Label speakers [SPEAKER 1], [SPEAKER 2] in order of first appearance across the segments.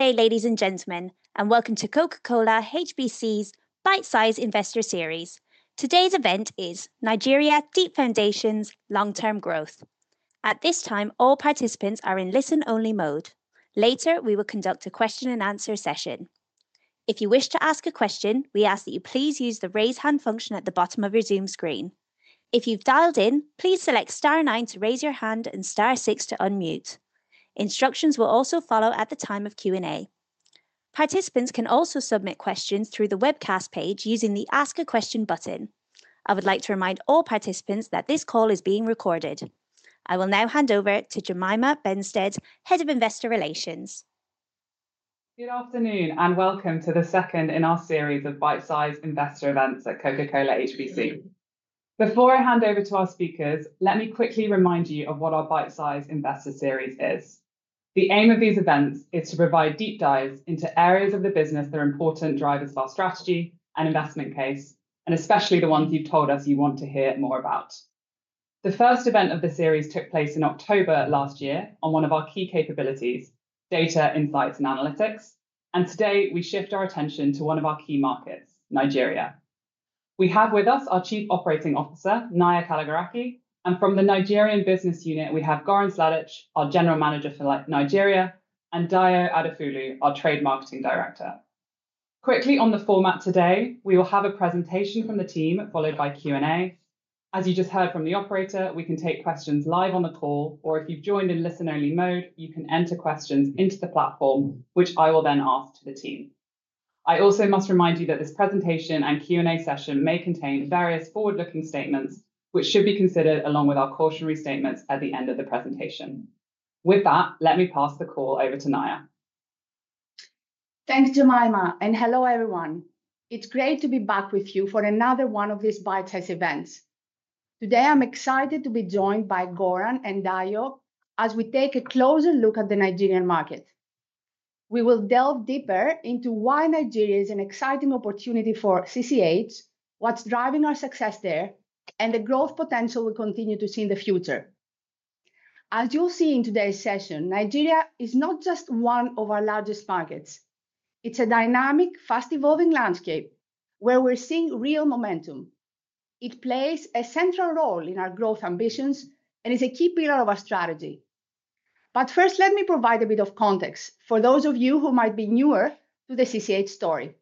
[SPEAKER 1] Okay, ladies and gentlemen, and welcome to Coca-Cola HBC's Bite-sized Investor Series. Today's event is Nigeria Deep Foundation's Long-Term Growth. At this time, all participants are in listen-only mode. Later, we will conduct a question-and-answer session. If you wish to ask a question, we ask that you please use the raise-hand function at the bottom of your Zoom screen. If you've dialed in, please select star 9 to raise your hand and star 6 to unmute. Instructions will also follow at the time of Q&A. Participants can also submit questions through the webcast page using the Ask a Question button. I would like to remind all participants that this call is being recorded. I will now hand over to Jemima Benstead, Head of Investor Relations.
[SPEAKER 2] Good afternoon, and welcome to the second in our series of Bite-sized Investor Events at Coca-Cola HBC. Before I hand over to our speakers, let me quickly remind you of what our Bite-sized Investor Series is. The aim of these events is to provide deep dives into areas of the business that are important drivers of our strategy and investment case, and especially the ones you've told us you want to hear more about. The first event of the series took place in October last year on one of our key capabilities, data insights and analytics, and today we shift our attention to one of our key markets, Nigeria. We have with us our Chief Operating Officer, Naya Kalogeraki, and from the Nigerian Business Unit, we have Goran Sladic, our General Manager for Nigeria, and Dayo Adefulu, our Trade Marketing Director. Quickly on the format today, we will have a presentation from the team, followed by Q&A. As you just heard from the operator, we can take questions live on the call, or if you've joined in listen-only mode, you can enter questions into the platform, which I will then ask to the team. I also must remind you that this presentation and Q&A session may contain various forward-looking statements, which should be considered along with our cautionary statements at the end of the presentation. With that, let me pass the call over to Naya.
[SPEAKER 3] Thanks, Jemima, and hello everyone. It's great to be back with you for another one of these bite-sized events. Today, I'm excited to be joined by Goran and Dayo as we take a closer look at the Nigerian market. We will delve deeper into why Nigeria is an exciting opportunity for Coca-Cola CCH, what's driving our success there, and the growth potential we continue to see in the future. As you'll see in today's session, Nigeria is not just one of our largest markets. It's a dynamic, fast-evolving landscape where we're seeing real momentum. It plays a central role in our growth ambitions and is a key pillar of our strategy. First, let me provide a bit of context for those of you who might be newer to the Coca-Cola CCH story.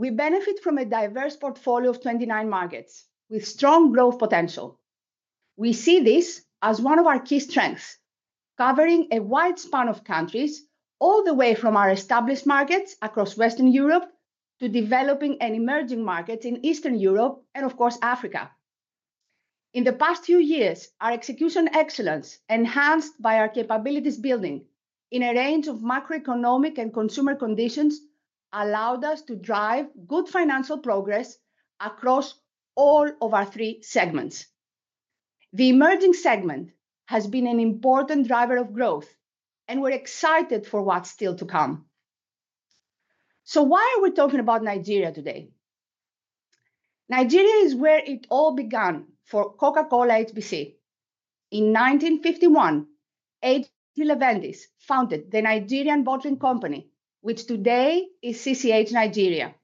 [SPEAKER 3] We benefit from a diverse portfolio of 29 markets with strong growth potential. We see this as one of our key strengths, covering a wide span of countries, all the way from our established markets across Western Europe to developing and emerging markets in Eastern Europe and, of course, Africa. In the past few years, our execution excellence, enhanced by our capabilities building in a range of macroeconomic and consumer conditions, allowed us to drive good financial progress across all of our three segments. The emerging segment has been an important driver of growth, and we're excited for what's still to come. Why are we talking about Nigeria today? Nigeria is where it all began for Coca-Cola HBC. In 1951, A.G. Leventis founded the Nigerian Bottling Company, which today is Coca-Cola CCH Nigeria.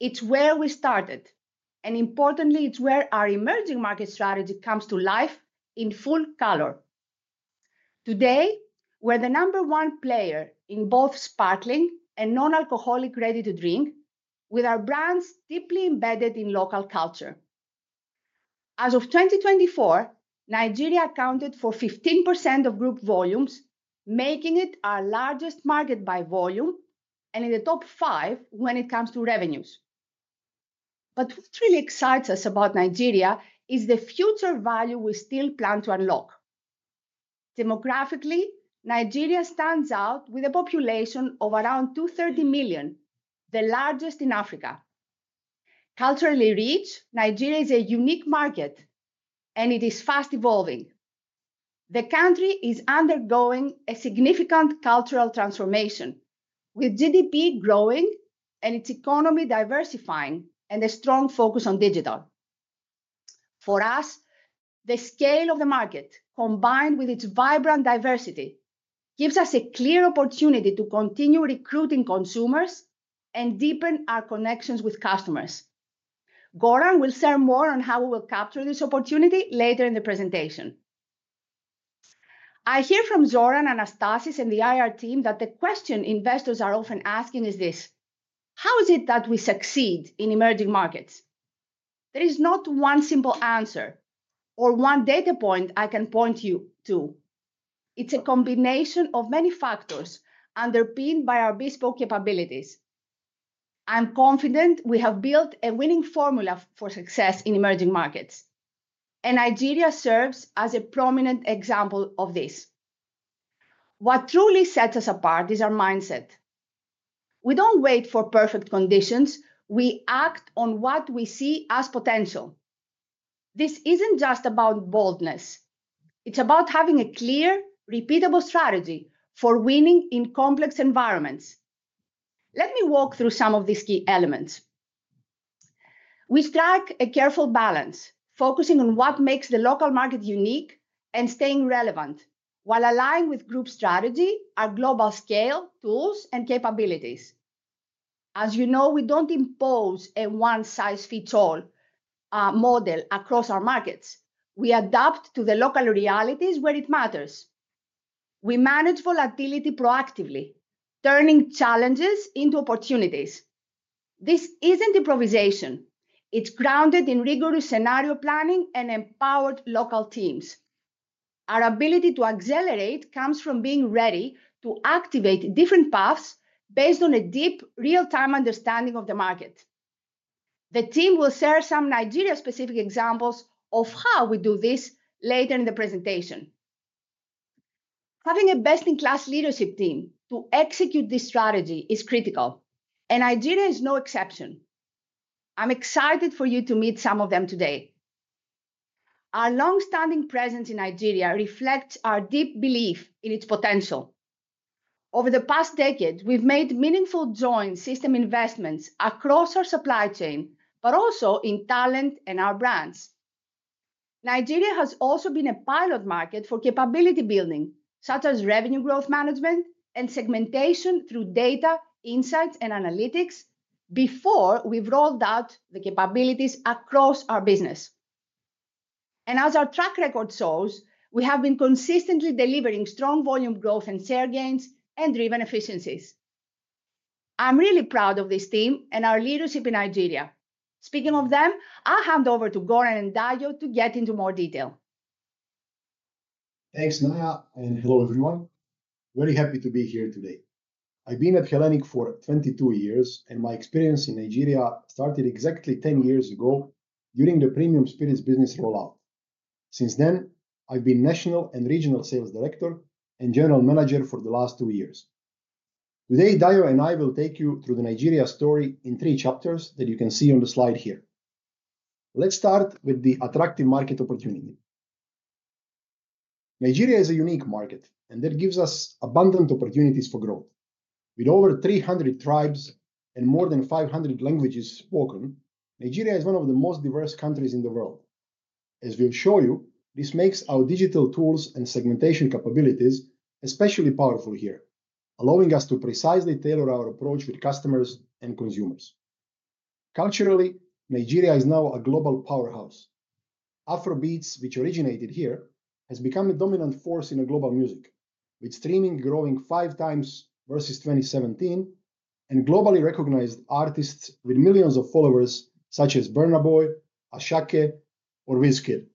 [SPEAKER 3] It's where we started, and importantly, it's where our emerging market strategy comes to life in full color. Today, we're the number one player in both sparkling and non-alcoholic ready-to-drink, with our brands deeply embedded in local culture. As of 2024, Nigeria accounted for 15% of group volumes, making it our largest market by volume and in the top five when it comes to revenues. What really excites us about Nigeria is the future value we still plan to unlock. Demographically, Nigeria stands out with a population of around 230 million, the largest in Africa. Culturally rich, Nigeria is a unique market. It is fast-evolving. The country is undergoing a significant cultural transformation, with GDP growing and its economy diversifying and a strong focus on digital. For us, the scale of the market, combined with its vibrant diversity, gives us a clear opportunity to continue recruiting consumers and deepen our connections with customers. Goran will share more on how we will capture this opportunity later in the presentation. I hear from Zoran, Anastasis, and the IR team that the question investors are often asking is this: how is it that we succeed in emerging markets? There is not one simple answer or one data point I can point you to. It's a combination of many factors underpinned by our bespoke capabilities. I'm confident we have built a winning formula for success in emerging markets, and Nigeria serves as a prominent example of this. What truly sets us apart is our mindset. We don't wait for perfect conditions. We act on what we see as potential. This isn't just about boldness. It's about having a clear, repeatable strategy for winning in complex environments. Let me walk through some of these key elements. We strike a careful balance, focusing on what makes the local market unique and staying relevant, while aligning with group strategy, our global scale tools, and capabilities. As you know, we don't impose a one-size-fits-all model across our markets. We adapt to the local realities where it matters. We manage volatility proactively, turning challenges into opportunities. This isn't improvisation. It's grounded in rigorous scenario planning and empowered local teams. Our ability to accelerate comes from being ready to activate different paths based on a deep, real-time understanding of the market. The team will share some Nigeria-specific examples of how we do this later in the presentation. Having a best-in-class leadership team to execute this strategy is critical, and Nigeria is no exception. I'm excited for you to meet some of them today. Our long-standing presence in Nigeria reflects our deep belief in its potential. Over the past decade, we've made meaningful joint system investments across our supply chain, but also in talent and our brands. Nigeria has also been a pilot market for capability building, such as revenue growth management and segmentation through data insights and analytics, before we've rolled out the capabilities across our business. As our track record shows, we have been consistently delivering strong volume growth and share gains and driven efficiencies. I'm really proud of this team and our leadership in Nigeria. Speaking of them, I'll hand over to Goran and Dayo to get into more detail.
[SPEAKER 4] Thanks, Naya, and hello everyone. Very happy to be here today. I've been at Hellenic for 22 years, and my experience in Nigeria started exactly 10 years ago during the premium spirits business rollout. Since then, I've been national and regional sales director and general manager for the last two years. Today, Dayo and I will take you through the Nigeria story in three chapters that you can see on the slide here. Let's start with the attractive market opportunity. Nigeria is a unique market, and that gives us abundant opportunities for growth. With over 300 tribes and more than 500 languages spoken, Nigeria is one of the most diverse countries in the world. As we'll show you, this makes our digital tools and segmentation capabilities especially powerful here, allowing us to precisely tailor our approach with customers and consumers. Culturally, Nigeria is now a global powerhouse. Afrobeats, which originated here, has become a dominant force in global music, with streaming growing five times versus 2017, and globally recognized artists with millions of followers such as Burna Boy, Asake, or Wizkid.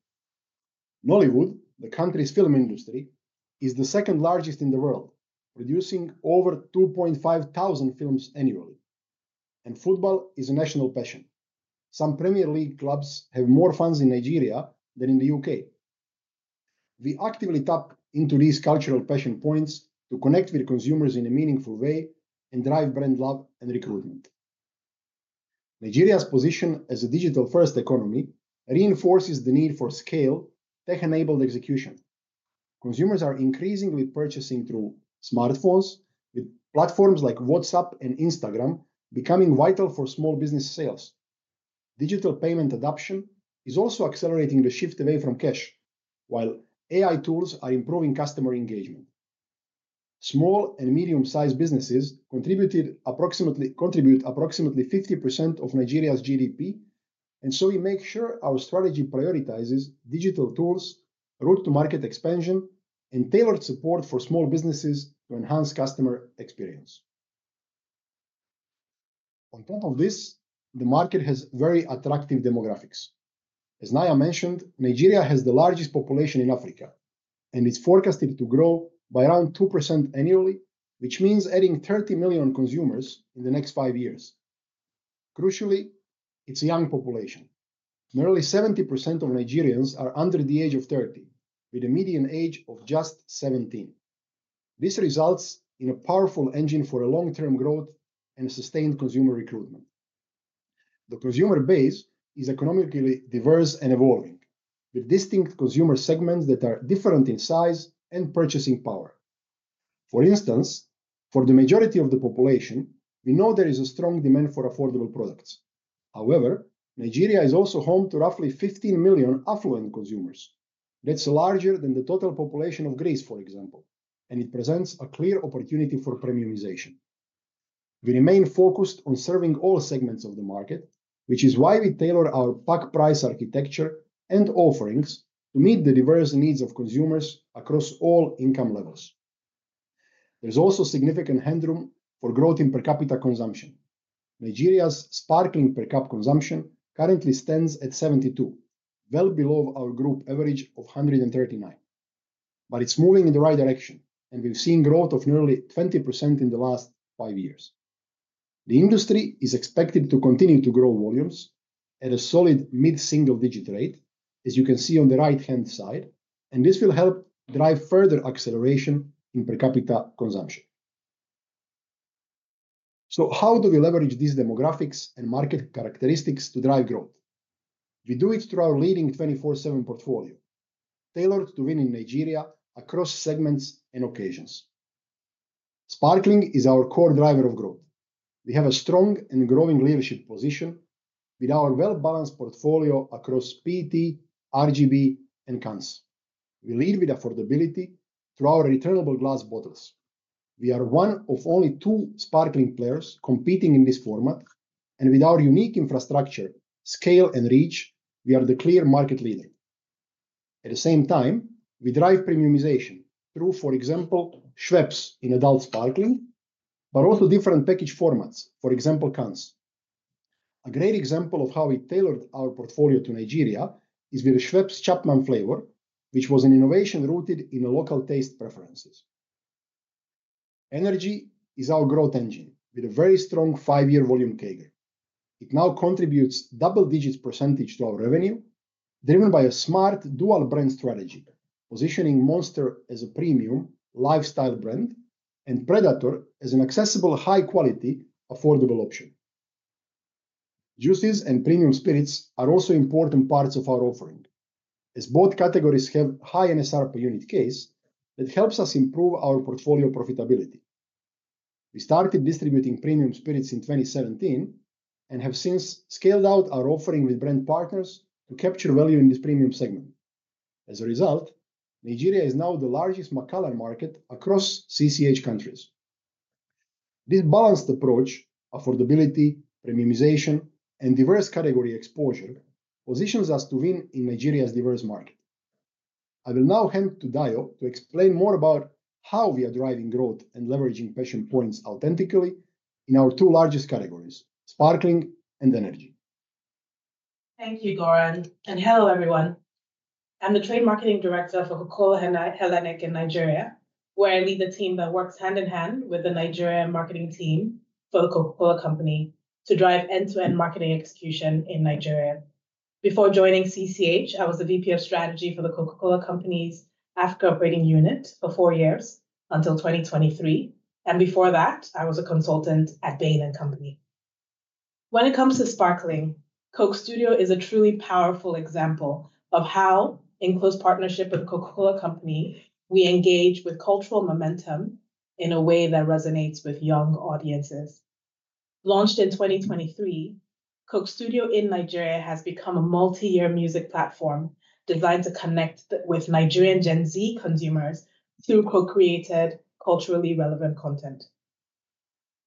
[SPEAKER 4] Nollywood, the country's film industry, is the second largest in the world, producing over 2,500 films annually. Football is a national passion. Some Premier League clubs have more fans in Nigeria than in the U.K. We actively tap into these cultural passion points to connect with consumers in a meaningful way and drive brand love and recruitment. Nigeria's position as a digital-first economy reinforces the need for scale to enable execution. Consumers are increasingly purchasing through smartphones, with platforms like WhatsApp and Instagram becoming vital for small business sales. Digital payment adoption is also accelerating the shift away from cash, while AI tools are improving customer engagement. Small and medium-sized businesses contribute approximately 50% of Nigeria's GDP, and so we make sure our strategy prioritizes digital tools, route-to-market expansion, and tailored support for small businesses to enhance customer experience. On top of this, the market has very attractive demographics. As Naya mentioned, Nigeria has the largest population in Africa, and it's forecasted to grow by around 2% annually, which means adding 30 million consumers in the next five years. Crucially, it's a young population. Nearly 70% of Nigerians are under the age of 30, with a median age of just 17. This results in a powerful engine for long-term growth and sustained consumer recruitment. The consumer base is economically diverse and evolving, with distinct consumer segments that are different in size and purchasing power. For instance, for the majority of the population, we know there is a strong demand for affordable products. However, Nigeria is also home to roughly 15 million affluent consumers. That is larger than the total population of Greece, for example, and it presents a clear opportunity for premiumization. We remain focused on serving all segments of the market, which is why we tailor our pack price architecture and offerings to meet the diverse needs of consumers across all income levels. There is also significant headroom for growth in per capita consumption. Nigeria's sparkling per capita consumption currently stands at 72, well below our group average of 139. It is moving in the right direction, and we have seen growth of nearly 20% in the last five years. The industry is expected to continue to grow volumes at a solid mid-single-digit rate, as you can see on the right-hand side, and this will help drive further acceleration in per capita consumption. How do we leverage these demographics and market characteristics to drive growth? We do it through our leading 24/7 portfolio, tailored to win in Nigeria across segments and occasions. Sparkling is our core driver of growth. We have a strong and growing leadership position. With our well-balanced portfolio across PET, RGB, and CANS, we lead with affordability through our returnable glass bottles. We are one of only two sparkling players competing in this format, and with our unique infrastructure, scale, and reach, we are the clear market leader. At the same time, we drive premiumization through, for example, Schweppes in adult sparkling, but also different package formats, for example, CANS. A great example of how we tailored our portfolio to Nigeria is with the Schweppes Chapman flavor, which was an innovation rooted in local taste preferences. Energy is our growth engine with a very strong five-year volume cager. It now contributes a double-digit % to our revenue, driven by a smart dual-brand strategy, positioning Monster as a premium lifestyle brand and Predator as an accessible high-quality affordable option. Juices and premium spirits are also important parts of our offering. As both categories have high NSR per unit case, that helps us improve our portfolio profitability. We started distributing premium spirits in 2017 and have since scaled out our offering with brand partners to capture value in this premium segment. As a result, Nigeria is now the largest Macallan market across CCH countries. This balanced approach—affordability, premiumization, and diverse category exposure—positions us to win in Nigeria's diverse market. I will now hand to Dayo to explain more about how we are driving growth and leveraging passion points authentically in our two largest categories, sparkling and energy.
[SPEAKER 5] Thank you, Goran. Hello, everyone. I'm the Trade Marketing Director for Coca-Cola Hellenic in Nigeria, where I lead the team that works hand in hand with the Nigerian marketing team for the Coca-Cola Company to drive end-to-end marketing execution in Nigeria. Before joining CCH, I was the VP of strategy for the Coca-Cola Company's Africa operating unit for four years until 2023. Before that, I was a consultant at Bain & Company. When it comes to sparkling, Coke Studio is a truly powerful example of how, in close partnership with the Coca-Cola Company, we engage with cultural momentum in a way that resonates with young audiences. Launched in 2023, Coke Studio in Nigeria has become a multi-year music platform designed to connect with Nigerian Gen Z consumers through co-created culturally relevant content.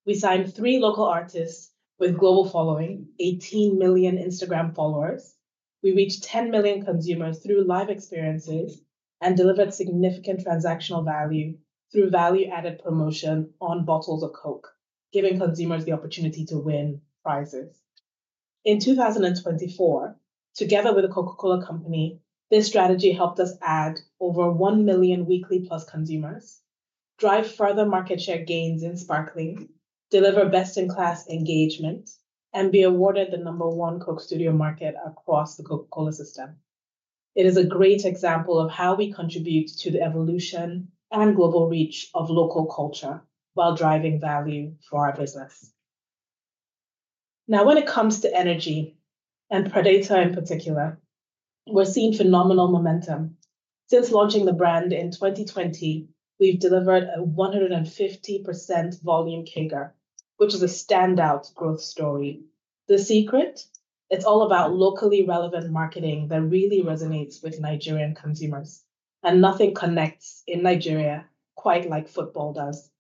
[SPEAKER 5] We signed three local artists with global following, 18 million Instagram followers. We reached 10 million consumers through live experiences and delivered significant transactional value through value-added promotion on bottles of Coke, giving consumers the opportunity to win prizes. In 2024, together with the Coca-Cola Company, this strategy helped us add over 1 million weekly plus consumers, drive further market share gains in sparkling, deliver best-in-class engagement, and be awarded the number one Coke Studio market across the Coca-Cola system. It is a great example of how we contribute to the evolution and global reach of local culture while driving value for our business. Now, when it comes to energy and Predator in particular. We're seeing phenomenal momentum. Since launching the brand in 2020, we've delivered a 150% volume CAGR, which is a standout growth story. The secret? It's all about locally relevant marketing that really resonates with Nigerian consumers, and nothing connects in Nigeria quite like football does.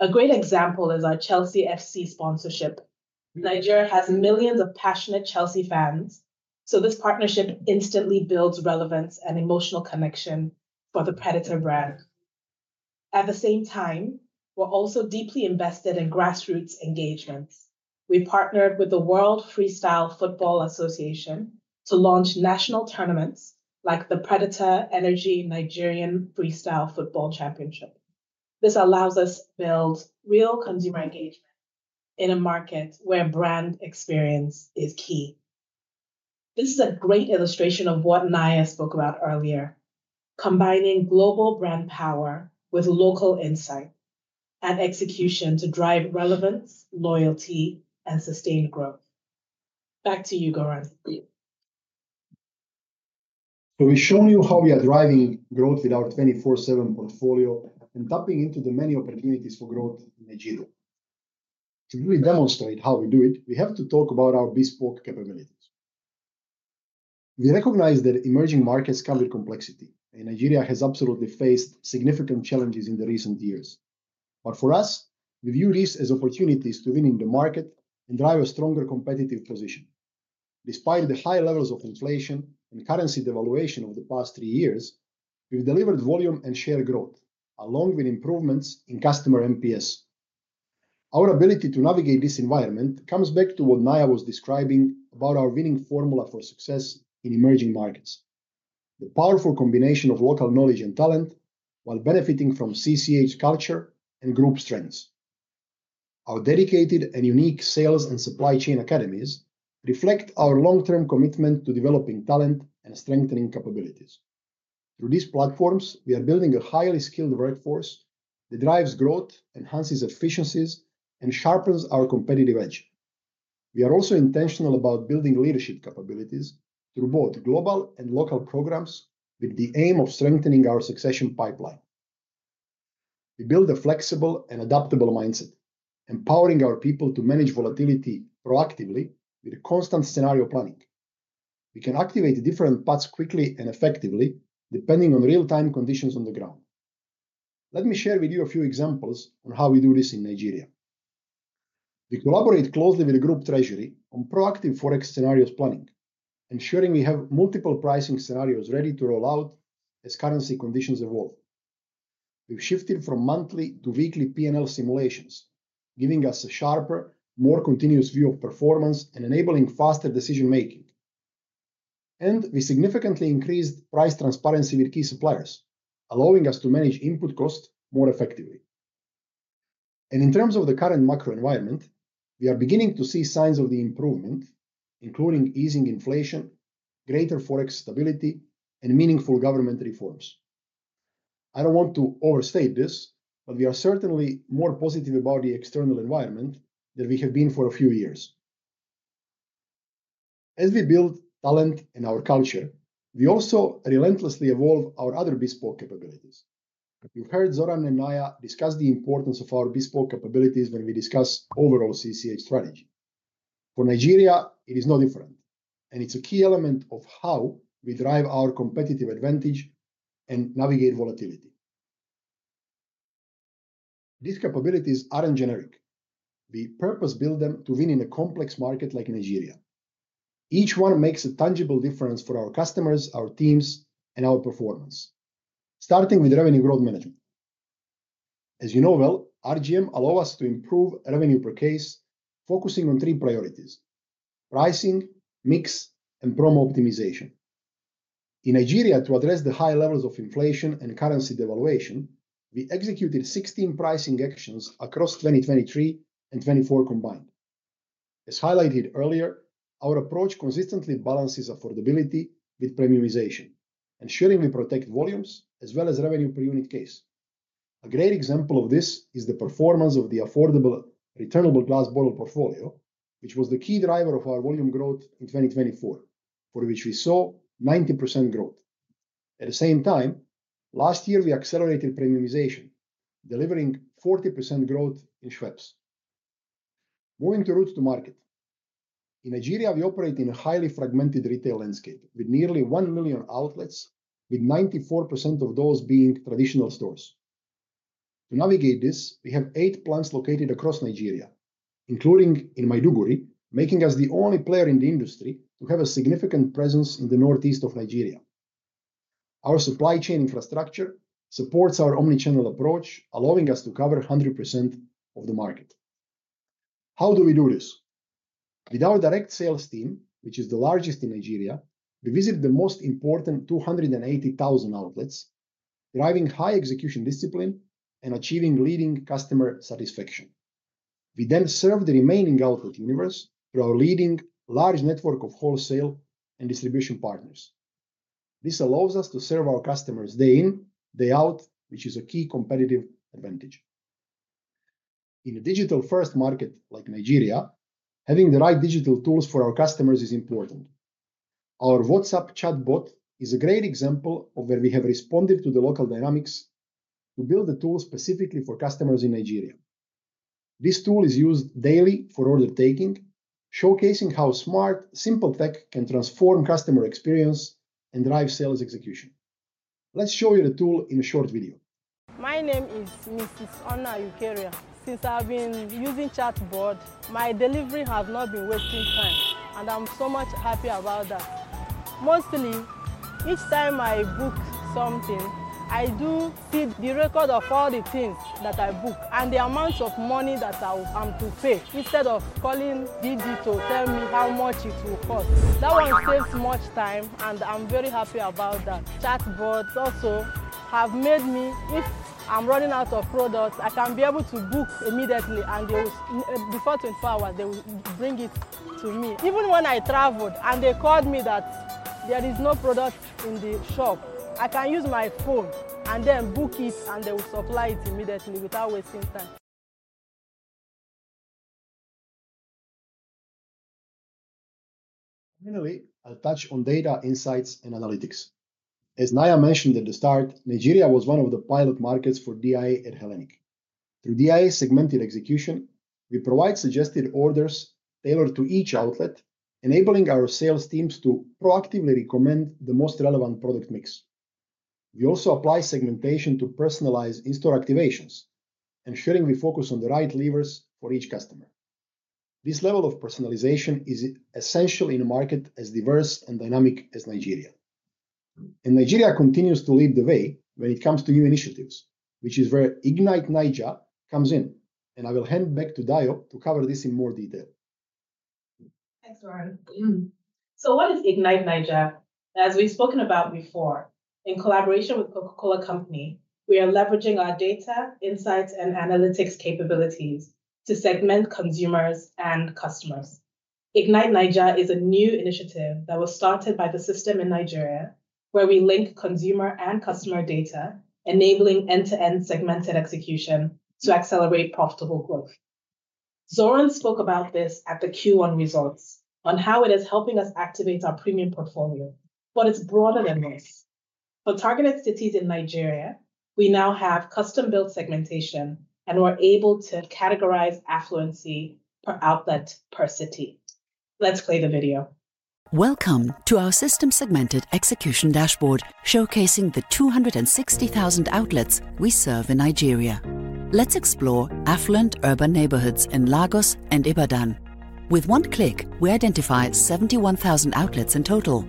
[SPEAKER 5] A great example is our Chelsea FC sponsorship. Nigeria has millions of passionate Chelsea fans, so this partnership instantly builds relevance and emotional connection for the Predator brand. At the same time, we're also deeply invested in grassroots engagements. We partnered with the World Freestyle Football Association to launch national tournaments like the Predator Energy Nigerian Freestyle Football Championship. This allows us to build real consumer engagement in a market where brand experience is key. This is a great illustration of what Naya spoke about earlier, combining global brand power with local insight and execution to drive relevance, loyalty, and sustained growth. Back to you, Goran.
[SPEAKER 4] We have shown you how we are driving growth with our 24/7 portfolio and tapping into the many opportunities for growth in the jiggle. To really demonstrate how we do it, we have to talk about our bespoke capabilities. We recognize that emerging markets come with complexity, and Nigeria has absolutely faced significant challenges in recent years. For us, we view this as opportunities to win in the market and drive a stronger competitive position. Despite the high levels of inflation and currency devaluation of the past three years, we have delivered volume and share growth along with improvements in customer MPS. Our ability to navigate this environment comes back to what Naya was describing about our winning formula for success in emerging markets: the powerful combination of local knowledge and talent while benefiting from Coca-Cola CCH culture and group strengths. Our dedicated and unique sales and supply chain academies reflect our long-term commitment to developing talent and strengthening capabilities. Through these platforms, we are building a highly skilled workforce that drives growth, enhances efficiencies, and sharpens our competitive edge. We are also intentional about building leadership capabilities through both global and local programs with the aim of strengthening our succession pipeline. We build a flexible and adaptable mindset, empowering our people to manage volatility proactively with constant scenario planning. We can activate different paths quickly and effectively depending on real-time conditions on the ground. Let me share with you a few examples on how we do this in Nigeria. We collaborate closely with the group treasury on proactive forex scenarios planning, ensuring we have multiple pricing scenarios ready to roll out as currency conditions evolve. have shifted from monthly to weekly P&L simulations, giving us a sharper, more continuous view of performance and enabling faster decision-making. We significantly increased price transparency with key suppliers, allowing us to manage input costs more effectively. In terms of the current macro environment, we are beginning to see signs of improvement, including easing inflation, greater forex stability, and meaningful government reforms. I do not want to overstate this, but we are certainly more positive about the external environment than we have been for a few years. As we build talent in our culture, we also relentlessly evolve our other bespoke capabilities. You have heard Zoran and Naya discuss the importance of our bespoke capabilities when we discuss overall CCH strategy. For Nigeria, it is no different, and it is a key element of how we drive our competitive advantage and navigate volatility. These capabilities are not generic. We purpose-build them to win in a complex market like Nigeria. Each one makes a tangible difference for our customers, our teams, and our performance, starting with revenue growth management. As you know well, RGM allows us to improve revenue per case, focusing on three priorities: pricing, mix, and promo optimization. In Nigeria, to address the high levels of inflation and currency devaluation, we executed 16 pricing actions across 2023 and 2024 combined. As highlighted earlier, our approach consistently balances affordability with premiumization, ensuring we protect volumes as well as revenue per unit case. A great example of this is the performance of the affordable returnable glass bottle portfolio, which was the key driver of our volume growth in 2024, for which we saw 90% growth. At the same time, last year, we accelerated premiumization, delivering 40% growth in Schweppes. Moving to routes to market. In Nigeria, we operate in a highly fragmented retail landscape with nearly 1 million outlets, with 94% of those being traditional stores. To navigate this, we have eight plants located across Nigeria, including in Maiduguri, making us the only player in the industry to have a significant presence in the northeast of Nigeria. Our supply chain infrastructure supports our omnichannel approach, allowing us to cover 100% of the market. How do we do this? With a direct sales team, which is the largest in Nigeria, we visit the most important 280,000 outlets, driving high execution discipline and achieving leading customer satisfaction. We then serve the remaining outlet universe through our leading large network of wholesale and distribution partners. This allows us to serve our customers day in, day out, which is a key competitive advantage. In a digital-first market like Nigeria, having the right digital tools for our customers is important. Our WhatsApp chatbot is a great example of where we have responded to the local dynamics to build a tool specifically for customers in Nigeria. This tool is used daily for order taking, showcasing how smart, simple tech can transform customer experience and drive sales execution. Let's show you the tool in a short video.
[SPEAKER 6] My name is Mrs. Ona Yukeria. Since I've been using Chatbot, my delivery has not been wasting time, and I'm so much happy about that. Mostly, each time I book something, I do see the record of all the things that I book and the amounts of money that I'm to pay instead of calling DD to tell me how much it will cost. That one saves much time, and I'm very happy about that. Chatbots also have made me—if I'm running out of products, I can be able to book immediately, and before 24 hours, they will bring it to me. Even when I traveled and they called me that there is no product in the shop, I can use my phone and then book it, and they will supply it immediately without wasting time.
[SPEAKER 4] Finally, I'll touch on data, insights, and analytics. As Naya mentioned at the start, Nigeria was one of the pilot markets for DIA at Hellenic. Through DIA segmented execution, we provide suggested orders tailored to each outlet, enabling our sales teams to proactively recommend the most relevant product mix. We also apply segmentation to personalize in-store activations, ensuring we focus on the right levers for each customer. This level of personalization is essential in a market as diverse and dynamic as Nigeria. Nigeria continues to lead the way when it comes to new initiatives, which is where Ignite Nigeria comes in, and I will hand back to Dayo to cover this in more detail.
[SPEAKER 5] Thanks, Goran. What is Ignite Nigeria? As we've spoken about before, in collaboration with The Coca-Cola Company, we are leveraging our data, insights, and analytics capabilities to segment consumers and customers. Ignite Nigeria is a new initiative that was started by the system in Nigeria, where we link consumer and customer data, enabling end-to-end segmented execution to accelerate profitable growth. Zoran spoke about this at the Q1 results on how it is helping us activate our premium portfolio, but it is broader than this. For targeted cities in Nigeria, we now have custom-built segmentation, and we are able to categorize affluency per outlet per city. Let's play the video.
[SPEAKER 6] Welcome to our system-segmented execution dashboard showcasing the 260,000 outlets we serve in Nigeria. Let's explore affluent urban neighborhoods in Lagos and Ibadan. With one click, we identify 71,000 outlets in total.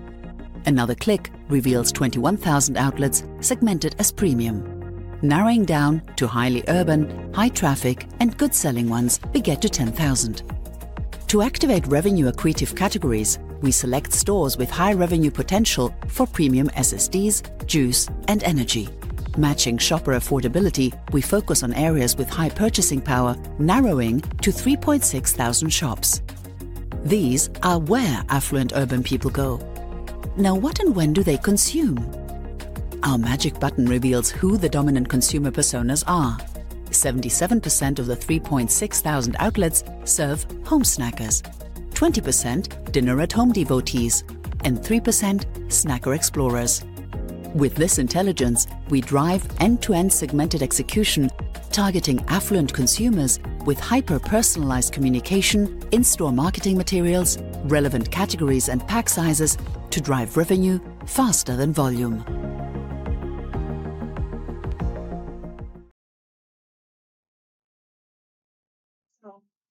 [SPEAKER 6] Another click reveals 21,000 outlets segmented as premium. Narrowing down to highly urban, high-traffic, and good-selling ones, we get to 10,000. To activate revenue-accretive categories, we select stores with high revenue potential for premium SSDs, juice, and energy. Matching shopper affordability, we focus on areas with high purchasing power, narrowing to 3,600 shops. These are where affluent urban people go. Now, what and when do they consume? Our magic button reveals who the dominant consumer personas are. 77% of the 3,600 outlets serve home snackers, 20% dinner-at-home devotees, and 3% snacker explorers. With this intelligence, we drive end-to-end segmented execution, targeting affluent consumers with hyper-personalized communication, in-store marketing materials, relevant categories, and pack sizes to drive revenue faster than volume.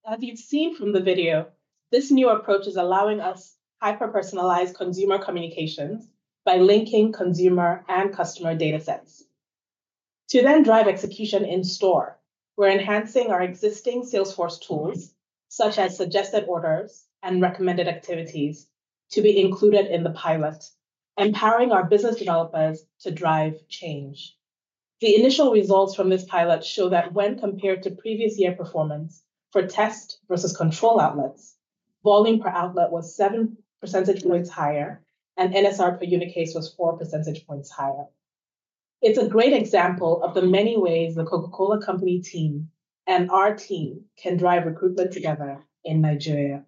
[SPEAKER 5] As you have seen from the video, this new approach is allowing us hyper-personalized consumer communications by linking consumer and customer data sets. To then drive execution in-store, we are enhancing our existing Salesforce tools, such as suggested orders and recommended activities, to be included in the pilot, empowering our business developers to drive change. The initial results from this pilot show that when compared to previous year performance for test versus control outlets, volume per outlet was 7 percentage points higher, and NSR per unit case was 4 percentage points higher. It is a great example of the many ways the Coca-Cola Company team and our team can drive recruitment together in Nigeria.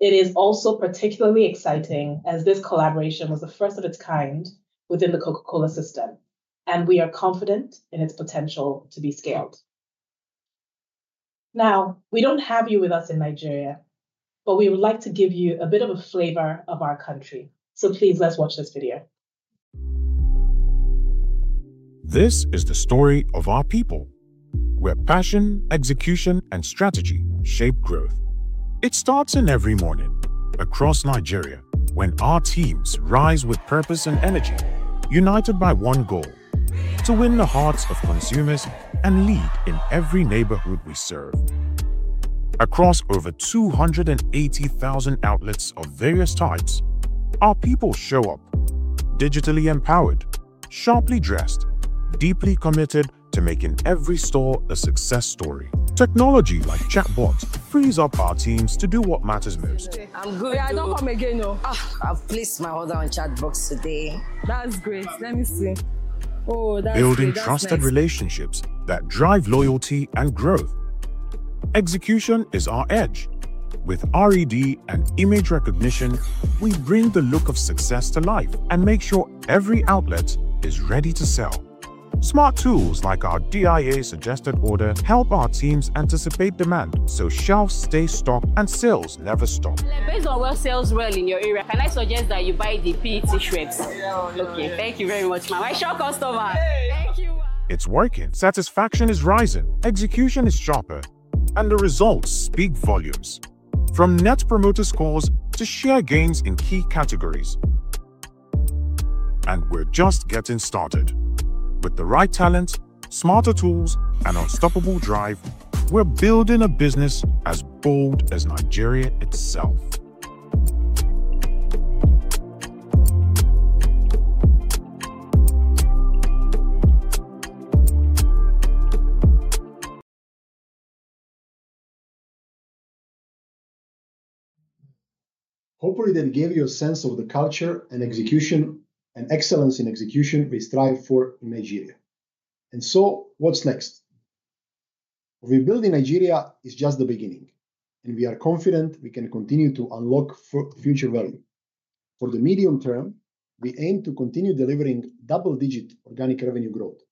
[SPEAKER 5] It is also particularly exciting as this collaboration was the first of its kind within the Coca-Cola system, and we are confident in its potential to be scaled. Now, we don't have you with us in Nigeria, but we would like to give you a bit of a flavor of our country. Please, let's watch this video.
[SPEAKER 6] This is the story of our people. Where passion, execution, and strategy shape growth. It starts in every morning across Nigeria when our teams rise with purpose and energy, united by one goal: to win the hearts of consumers and lead in every neighborhood we serve. Across over 280,000 outlets of various types, our people show up digitally empowered, sharply dressed, deeply committed to making every store a success story. Technology like Chatbot frees up our teams to do what matters most. I'm good. I don't come again, no. I've placed my order on Chatbox today. That's great. Let me see. Building trusted relationships that drive loyalty and growth. Execution is our edge. With RED and image recognition, we bring the look of success to life and make sure every outlet is ready to sell. Smart tools like our DIA suggested order help our teams anticipate demand so shelves stay stocked and sales never stop. Based on where sales were in your area, can I suggest that you buy the PET Schweppes? Yeah. Okay. Thank you very much, ma'am. I shall come customer. Thank you. It's working. Satisfaction is rising, execution is sharper, and the results speak volumes. From net promoter scores to share gains in key categories. We are just getting started. With the right talent, smarter tools, and unstoppable drive, we are building a business as bold as Nigeria itself.
[SPEAKER 4] Hopefully, that gave you a sense of the culture and execution and excellence in execution we strive for in Nigeria. What's next? Rebuilding Nigeria is just the beginning, and we are confident we can continue to unlock future value. For the medium term, we aim to continue delivering double-digit organic revenue growth.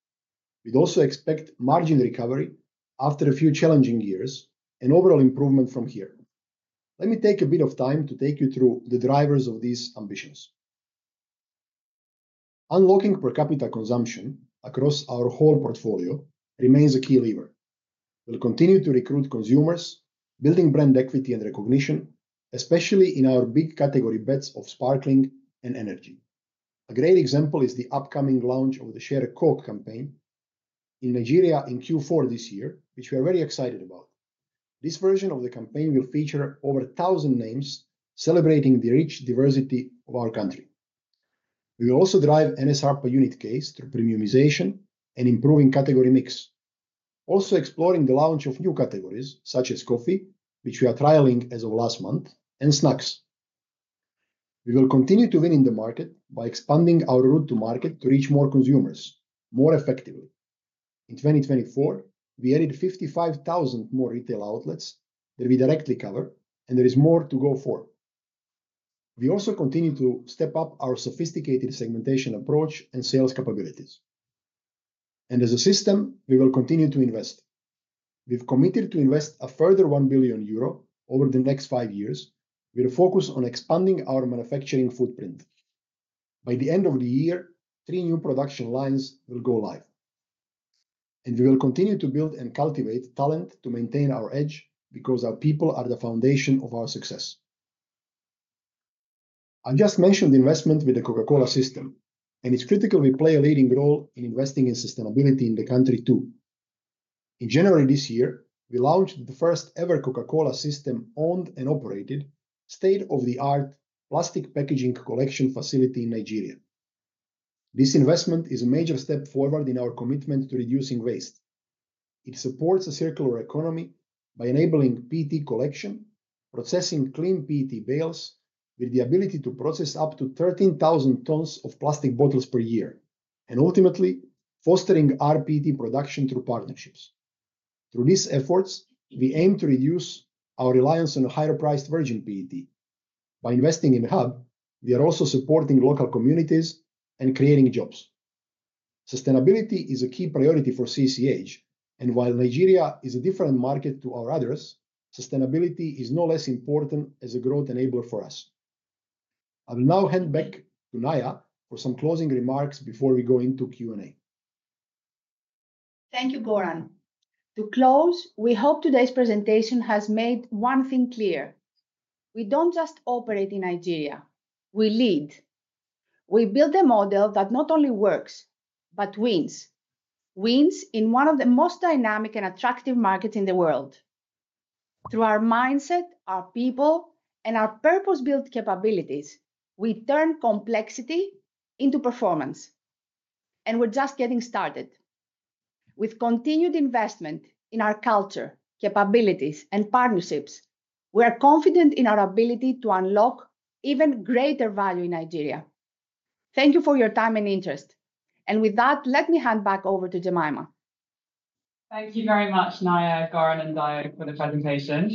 [SPEAKER 4] We also expect margin recovery after a few challenging years and overall improvement from here. Let me take a bit of time to take you through the drivers of these ambitions. Unlocking per capita consumption across our whole portfolio remains a key lever. We'll continue to recruit consumers, building brand equity and recognition, especially in our big category bets of sparkling and energy. A great example is the upcoming launch of the Share a Coke campaign in Nigeria in Q4 this year, which we are very excited about. This version of the campaign will feature over 1,000 names celebrating the rich diversity of our country. We will also drive NSR per unit case through premiumization and improving category mix, also exploring the launch of new categories such as coffee, which we are trialing as of last month, and snacks. We will continue to win in the market by expanding our route to market to reach more consumers more effectively. In 2024, we added 55,000 more retail outlets that we directly cover, and there is more to go for. We also continue to step up our sophisticated segmentation approach and sales capabilities. As a system, we will continue to invest. We have committed to invest a further 1 billion euro over the next five years with a focus on expanding our manufacturing footprint. By the end of the year, three new production lines will go live. We will continue to build and cultivate talent to maintain our edge because our people are the foundation of our success. I just mentioned investment with the Coca-Cola system, and it is critical we play a leading role in investing in sustainability in the country too. In January this year, we launched the first-ever Coca-Cola system-owned and operated state-of-the-art plastic packaging collection facility in Nigeria. This investment is a major step forward in our commitment to reducing waste. It supports a circular economy by enabling PET collection, processing clean PET bales, with the ability to process up to 13,000 tons of plastic bottles per year, and ultimately fostering RPT production through partnerships. Through these efforts, we aim to reduce our reliance on higher-priced virgin PET. By investing in the hub, we are also supporting local communities and creating jobs. Sustainability is a key priority for Coca-Cola CCH, and while Nigeria is a different market to our others, sustainability is no less important as a growth enabler for us. I will now hand back to Naya for some closing remarks before we go into Q&A.
[SPEAKER 3] Thank you, Goran. To close, we hope today's presentation has made one thing clear. We do not just operate in Nigeria. We lead. We build a model that not only works, but wins. Wins in one of the most dynamic and attractive markets in the world. Through our mindset, our people, and our purpose-built capabilities, we turn complexity into performance. We are just getting started. With continued investment in our culture, capabilities, and partnerships, we are confident in our ability to unlock even greater value in Nigeria. Thank you for your time and interest. With that, let me hand back over to Jemima.
[SPEAKER 2] Thank you very much, Naya, Goran, and Dayo for the presentation.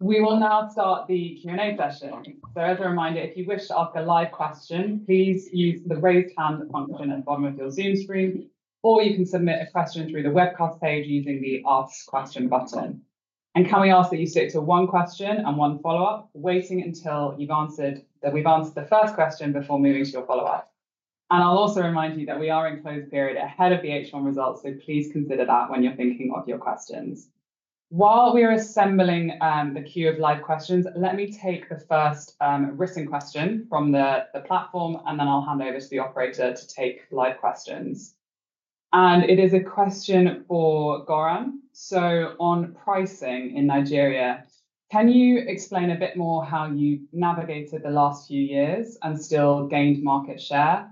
[SPEAKER 2] We will now start the Q&A session. As a reminder, if you wish to ask a live question, please use the raised hand function at the bottom of your Zoom screen, or you can submit a question through the webcast page using the Ask Question button. Can we ask that you stick to one question and one follow-up, waiting until we've answered the first question before moving to your follow-up? I'll also remind you that we are in closing period ahead of the H1 results, so please consider that when you're thinking of your questions. While we are assembling the queue of live questions, let me take the first written question from the platform, and then I'll hand over to the operator to take live questions. It is a question for Goran. On pricing in Nigeria, can you explain a bit more how you navigated the last few years and still gained market share?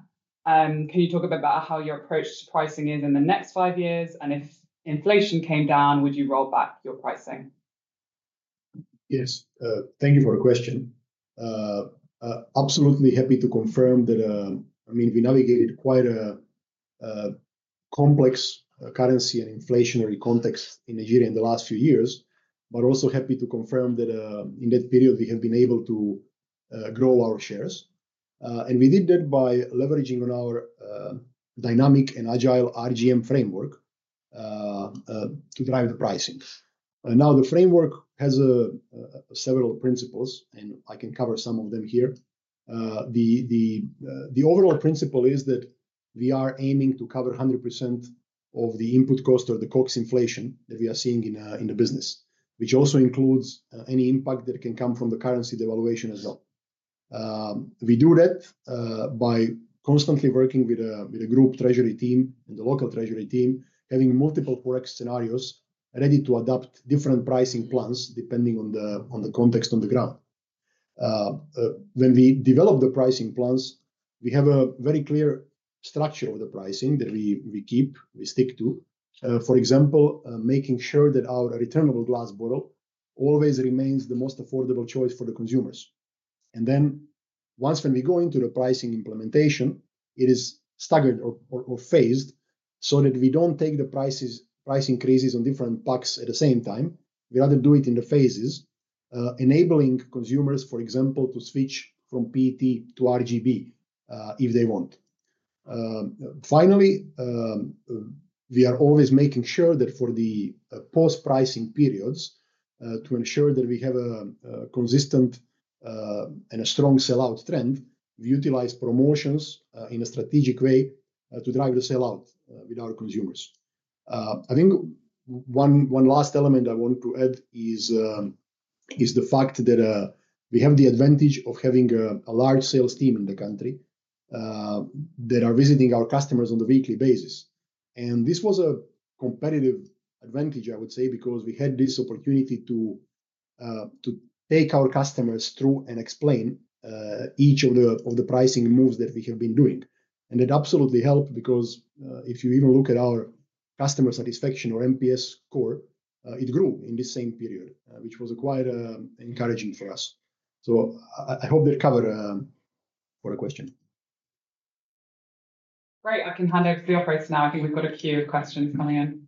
[SPEAKER 2] Can you talk a bit about how your approach to pricing is in the next five years? If inflation came down, would you roll back your pricing?
[SPEAKER 4] Yes. Thank you for the question. Absolutely happy to confirm that, I mean, we navigated quite a complex currency and inflationary context in Nigeria in the last few years, but also happy to confirm that in that period, we have been able to grow our shares. And we did that by leveraging on our dynamic and agile RGM framework to drive the pricing. Now, the framework has several principles, and I can cover some of them here. The overall principle is that we are aiming to cover 100% of the input cost or the [COX] inflation that we are seeing in the business, which also includes any impact that can come from the currency devaluation as well. We do that by constantly working with a group treasury team and the local treasury team, having multiple forex scenarios ready to adopt different pricing plans depending on the context on the ground. When we develop the pricing plans, we have a very clear structure of the pricing that we keep, we stick to. For example, making sure that our returnable glass bottle always remains the most affordable choice for the consumers. Once we go into the pricing implementation, it is staggered or phased so that we do not take the price increases on different packs at the same time. We rather do it in the phases, enabling consumers, for example, to switch from PET to RGB if they want. Finally, we are always making sure that for the post-pricing periods, to ensure that we have a consistent and a strong sellout trend, we utilize promotions in a strategic way to drive the sellout with our consumers. I think one last element I want to add is. The fact that we have the advantage of having a large sales team in the country that are visiting our customers on a weekly basis. That was a competitive advantage, I would say, because we had this opportunity to take our customers through and explain each of the pricing moves that we have been doing. It absolutely helped because if you even look at our customer satisfaction or NPS score, it grew in the same period, which was quite encouraging for us. I hope that covers for the question.
[SPEAKER 2] Great. I can hand over to the operator now. I think we've got a few questions coming in.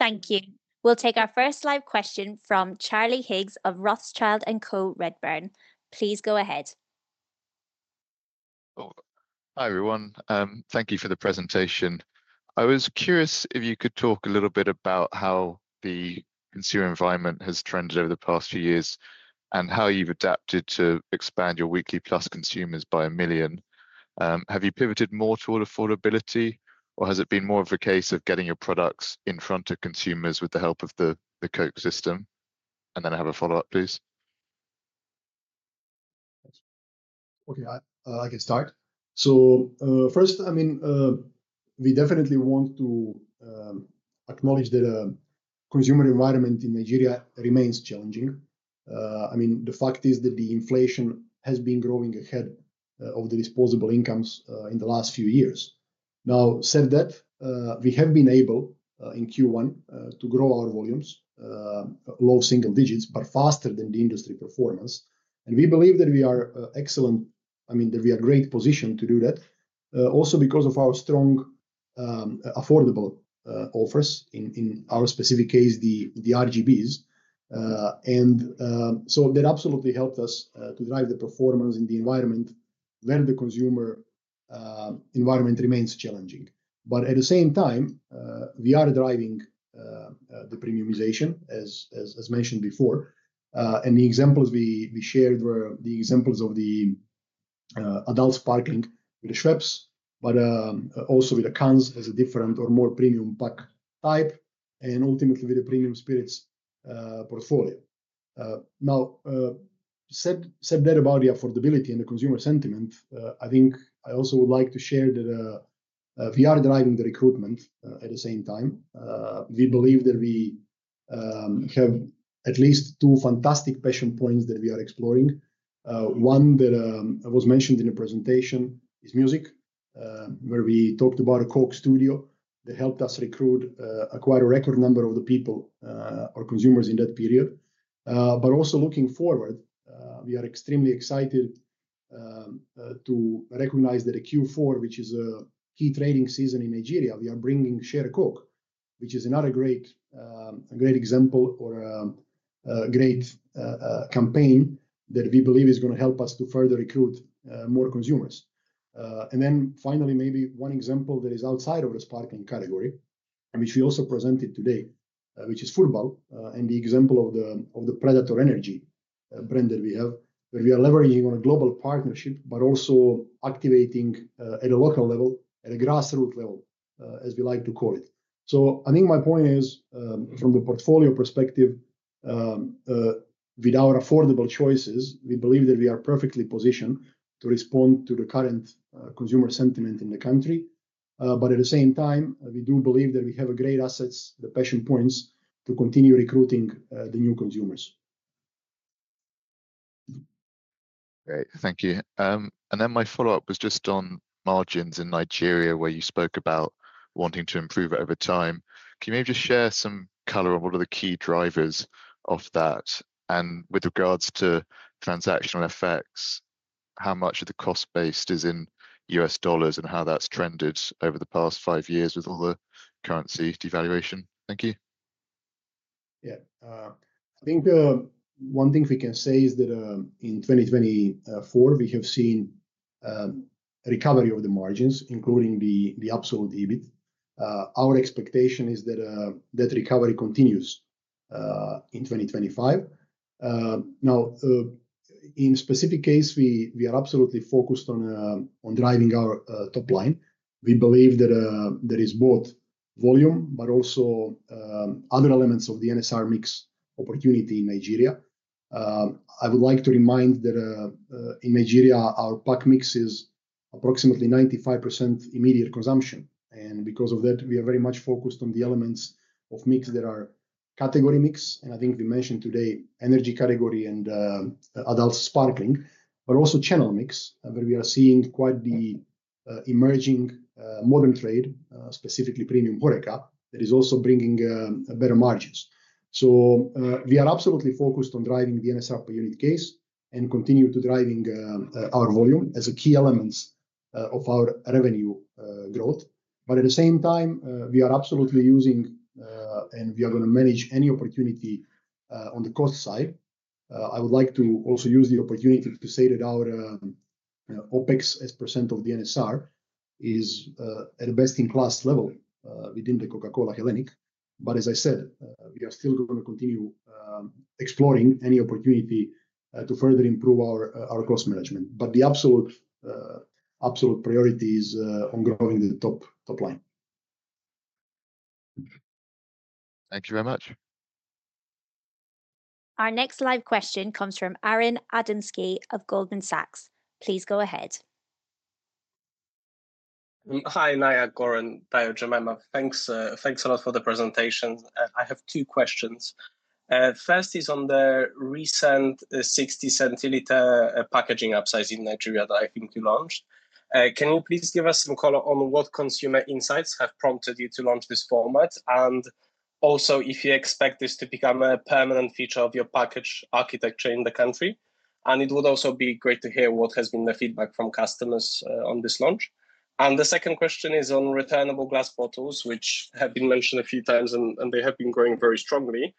[SPEAKER 1] Thank you. We'll take our first live question from Charlie Higgs of Rothschild & Co Redburn. Please go ahead.
[SPEAKER 7] Hi, everyone. Thank you for the presentation. I was curious if you could talk a little bit about how the consumer environment has trended over the past few years and how you've adapted to expand your weekly plus consumers by a million. Have you pivoted more toward affordability, or has it been more of a case of getting your products in front of consumers with the help of the Coke system? I have a follow-up, please.
[SPEAKER 4] Okay. I can start. So first, I mean, we definitely want to acknowledge that the consumer environment in Nigeria remains challenging. I mean, the fact is that the inflation has been growing ahead of the disposable incomes in the last few years. Now, said that, we have been able in Q1 to grow our volumes. Low single digits, but faster than the industry performance. And we believe that we are excellent, I mean, that we are in a great position to do that also because of our strong, affordable offers in our specific case, the RGBs. And so that absolutely helped us to drive the performance in the environment where the consumer environment remains challenging. At the same time, we are driving the premiumization, as mentioned before. The examples we shared were the examples of the. Adult sparkling with the Schweppes, but also with the cans as a different or more premium pack type, and ultimately with the premium spirits portfolio. Now, said that about the affordability and the consumer sentiment, I think I also would like to share that we are driving the recruitment at the same time. We believe that we have at least two fantastic passion points that we are exploring. One that was mentioned in the presentation is music, where we talked about a Coke Studio that helped us recruit, acquire a record number of the people or consumers in that period. Also, looking forward, we are extremely excited to recognize that in Q4, which is a key trading season in Nigeria, we are bringing Share a Coke, which is another great example or a great campaign that we believe is going to help us to further recruit more consumers. Finally, maybe one example that is outside of the sparkling category, which we also presented today, which is football, and the example of the Predator Energy brand that we have, where we are leveraging on a global partnership, but also activating at a local level, at a grassroots level, as we like to call it. I think my point is from the portfolio perspective. Without affordable choices, we believe that we are perfectly positioned to respond to the current consumer sentiment in the country. At the same time, we do believe that we have great assets, the passion points to continue recruiting the new consumers.
[SPEAKER 7] Great. Thank you. My follow-up was just on margins in Nigeria, where you spoke about wanting to improve over time. Can you maybe just share some color on what are the key drivers of that? With regards to transactional effects, how much of the cost base is in U.S. dollars and how that's trended over the past five years with all the currency devaluation? Thank you.
[SPEAKER 4] Yeah. I think one thing we can say is that in 2024, we have seen recovery of the margins, including the absolute EBIT. Our expectation is that recovery continues in 2025. Now, in a specific case, we are absolutely focused on driving our top line. We believe that there is both volume, but also other elements of the NSR mix opportunity in Nigeria. I would like to remind that in Nigeria, our pack mix is approximately 95% immediate consumption. Because of that, we are very much focused on the elements of mix that are category mix. I think we mentioned today energy category and adult sparkling, but also channel mix, where we are seeing quite the emerging modern trade, specifically premium HORECA, that is also bringing better margins. We are absolutely focused on driving the NSR per unit case and continue to driving our volume as a key element of our revenue growth. At the same time, we are absolutely using, and we are going to manage, any opportunity on the cost side. I would like to also use the opportunity to say that our OpEx as percent of the NSR is at a best-in-class level within Coca-Cola Hellenic. As I said, we are still going to continue exploring any opportunity to further improve our cost management. The absolute priority is on growing the top line.
[SPEAKER 7] Thank you very much.
[SPEAKER 1] Our next live question comes from Aron Adamski of Goldman Sachs. Please go ahead.
[SPEAKER 8] Hi, Naya, Goran, Dayo, Jemima. Thanks a lot for the presentation. I have two questions. First is on the recent 60 centiliter packaging upsize in Nigeria that I think you launched. Can you please give us some color on what consumer insights have prompted you to launch this format? Also, if you expect this to become a permanent feature of your package architecture in the country. It would also be great to hear what has been the feedback from customers on this launch. The second question is on returnable glass bottles, which have been mentioned a few times, and they have been growing very strongly.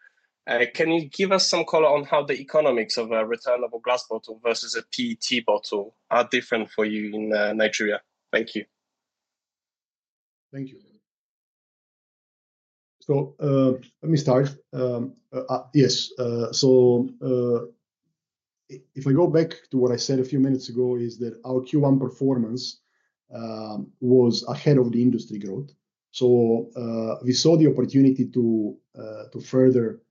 [SPEAKER 8] Can you give us some color on how the economics of a returnable glass bottle versus a PET bottle are different for you in Nigeria? Thank you.
[SPEAKER 4] Thank you. Let me start. Yes. If I go back to what I said a few minutes ago, our Q1 performance was ahead of the industry growth. We saw the opportunity to further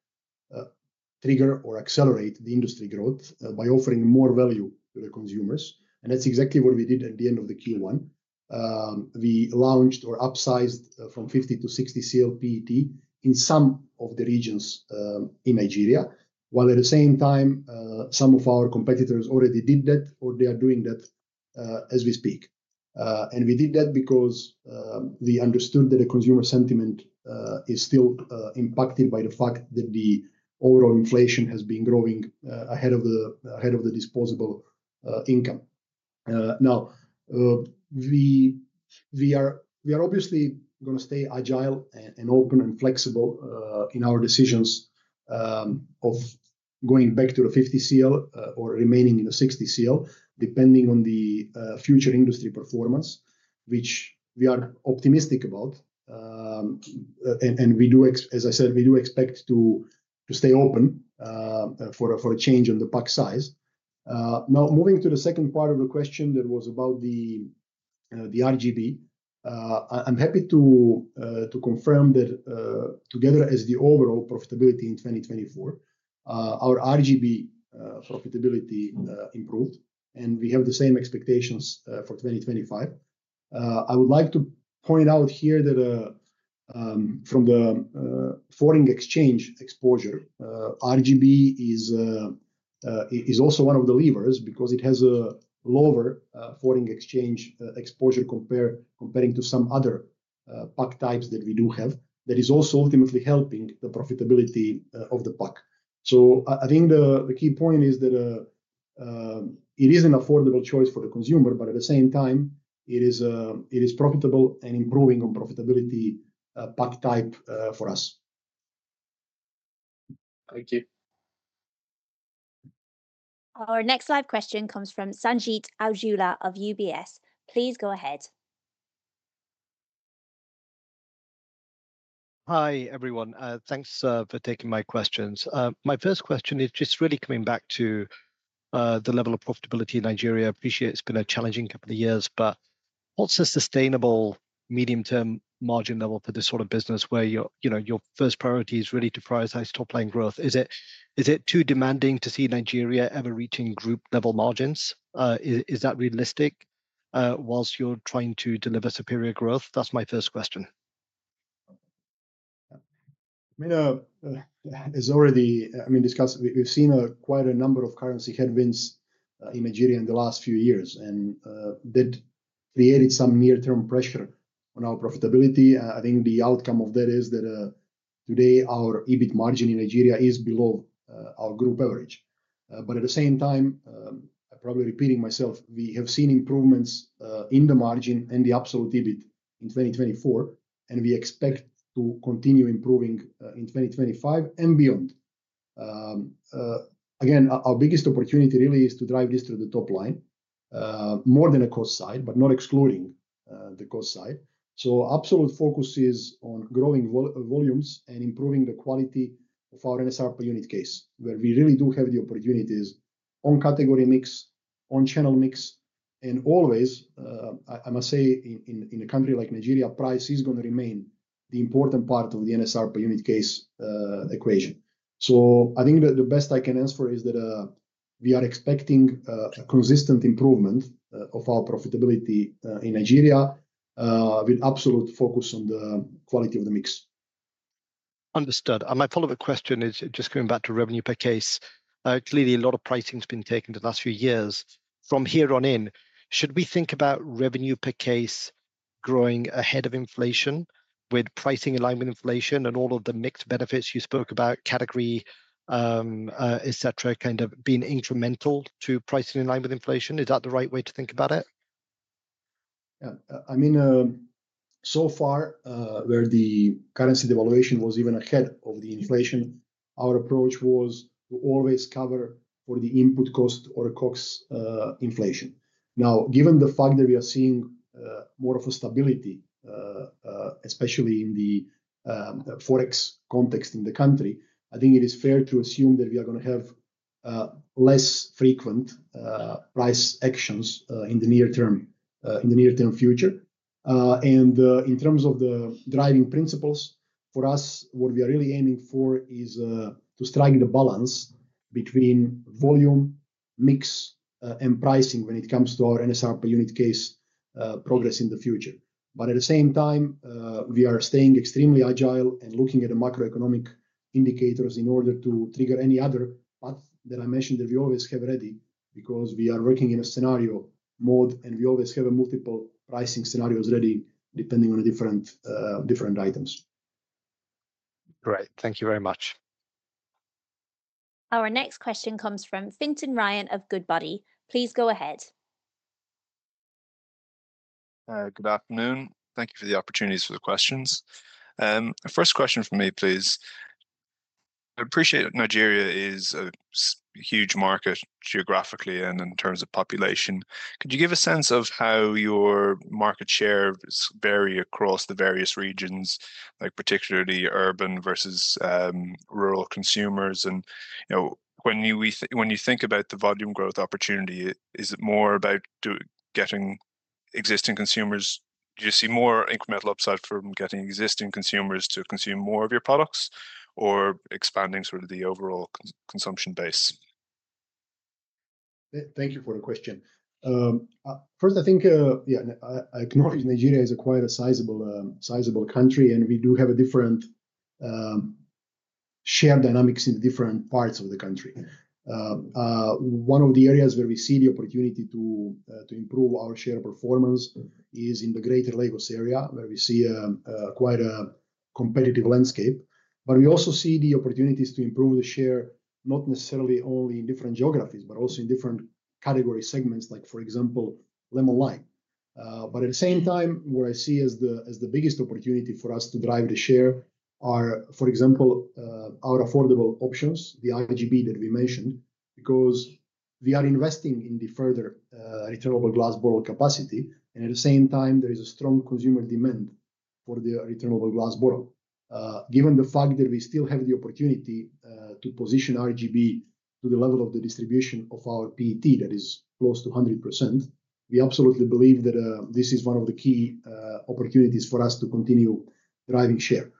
[SPEAKER 4] trigger or accelerate the industry growth by offering more value to the consumers. That's exactly what we did at the end of Q1. We launched or upsized from 50 to 60 CL PET in some of the regions in Nigeria, while at the same time, some of our competitors already did that, or they are doing that as we speak. We did that because we understood that the consumer sentiment is still impacted by the fact that the overall inflation has been growing ahead of the disposable income. We are obviously going to stay agile and open and flexible in our decisions. Of going back to the 50 CL or remaining in the 60 CL, depending on the future industry performance, which we are optimistic about. As I said, we do expect to stay open for a change on the pack size. Now, moving to the second part of the question that was about the RGB. I'm happy to confirm that together as the overall profitability in 2024. Our RGB profitability improved, and we have the same expectations for 2025. I would like to point out here that from the foreign exchange exposure, RGB is also one of the levers because it has a lower foreign exchange exposure comparing to some other pack types that we do have. That is also ultimately helping the profitability of the pack. I think the key point is that. It is an affordable choice for the consumer, but at the same time, it is profitable and improving on profitability pack type for us.
[SPEAKER 8] Thank you.
[SPEAKER 1] Our next live question comes from Sanjeet Aujla of UBS. Please go ahead.
[SPEAKER 9] Hi, everyone. Thanks for taking my questions. My first question is just really coming back to the level of profitability in Nigeria. I appreciate it's been a challenging couple of years, but what's a sustainable medium-term margin level for this sort of business where your first priority is really to prioritize top-line growth? Is it too demanding to see Nigeria ever reaching group-level margins? Is that realistic while you're trying to deliver superior growth? That's my first question.
[SPEAKER 4] I mean, as already, I mean, discussed, we've seen quite a number of currency headwinds in Nigeria in the last few years, and that created some near-term pressure on our profitability. I think the outcome of that is that today our EBIT margin in Nigeria is below our group average. At the same time, I'm probably repeating myself, we have seen improvements in the margin and the absolute EBIT in 2024, and we expect to continue improving in 2025 and beyond. Again, our biggest opportunity really is to drive this to the top line, more than a cost side, but not excluding the cost side. Absolute focus is on growing volumes and improving the quality of our NSR per unit case, where we really do have the opportunities on category mix, on channel mix, and always, I must say, in a country like Nigeria, price is going to remain the important part of the NSR per unit case equation. I think the best I can answer is that. We are expecting a consistent improvement of our profitability in Nigeria. With absolute focus on the quality of the mix.
[SPEAKER 9] Understood. My follow-up question is just going back to revenue per case. Clearly, a lot of pricing has been taken the last few years. From here on in, should we think about revenue per case growing ahead of inflation with pricing aligned with inflation and all of the mix benefits you spoke about, category, etc., kind of being incremental to pricing in line with inflation? Is that the right way to think about it?
[SPEAKER 4] Yeah. I mean. So far, where the currency devaluation was even ahead of the inflation, our approach was to always cover for the input cost or [COX] inflation. Now, given the fact that we are seeing more of a stability, especially in the Forex context in the country, I think it is fair to assume that we are going to have less frequent price actions in the near term future. And in terms of the driving principles for us, what we are really aiming for is to strike the balance between volume, mix, and pricing when it comes to our NSR per unit case progress in the future. At the same time, we are staying extremely agile and looking at the macroeconomic indicators in order to trigger any other path that I mentioned that we always have ready because we are working in a scenario mode and we always have multiple pricing scenarios ready depending on different items.
[SPEAKER 9] Great. Thank you very much.
[SPEAKER 1] Our next question comes from Fintan Ryan of Goodbody. Please go ahead.
[SPEAKER 10] Good afternoon. Thank you for the opportunities for the questions. First question for me, please. I appreciate Nigeria is a huge market geographically and in terms of population. Could you give a sense of how your market share varies across the various regions, particularly urban versus rural consumers? When you think about the volume growth opportunity, is it more about getting existing consumers? Do you see more incremental upside from getting existing consumers to consume more of your products or expanding sort of the overall consumption base?
[SPEAKER 4] Thank you for the question. First, I think, yeah, I acknowledge Nigeria is quite a sizable country, and we do have different share dynamics in different parts of the country. One of the areas where we see the opportunity to improve our share performance is in the greater Lagos area, where we see quite a competitive landscape. We also see the opportunities to improve the share, not necessarily only in different geographies, but also in different category segments, like, for example, lemon lime. At the same time, what I see as the biggest opportunity for us to drive the share are, for example, our affordable options, the RGB that we mentioned, because we are investing in the further returnable glass bottle capacity. At the same time, there is a strong consumer demand for the returnable glass bottle. Given the fact that we still have the opportunity to position RGB to the level of the distribution of our PET that is close to 100%, we absolutely believe that this is one of the key opportunities for us to continue driving share.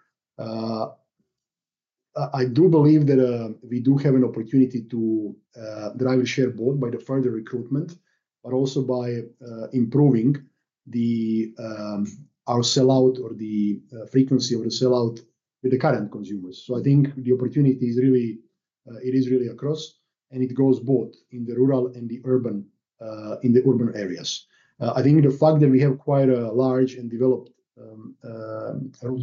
[SPEAKER 4] I do believe that we do have an opportunity to drive the share both by the further recruitment, but also by improving our sellout or the frequency of the sellout with the current consumers. I think the opportunity is really, it is really across, and it goes both in the rural and the urban. In the urban areas, I think the fact that we have quite a large and developed.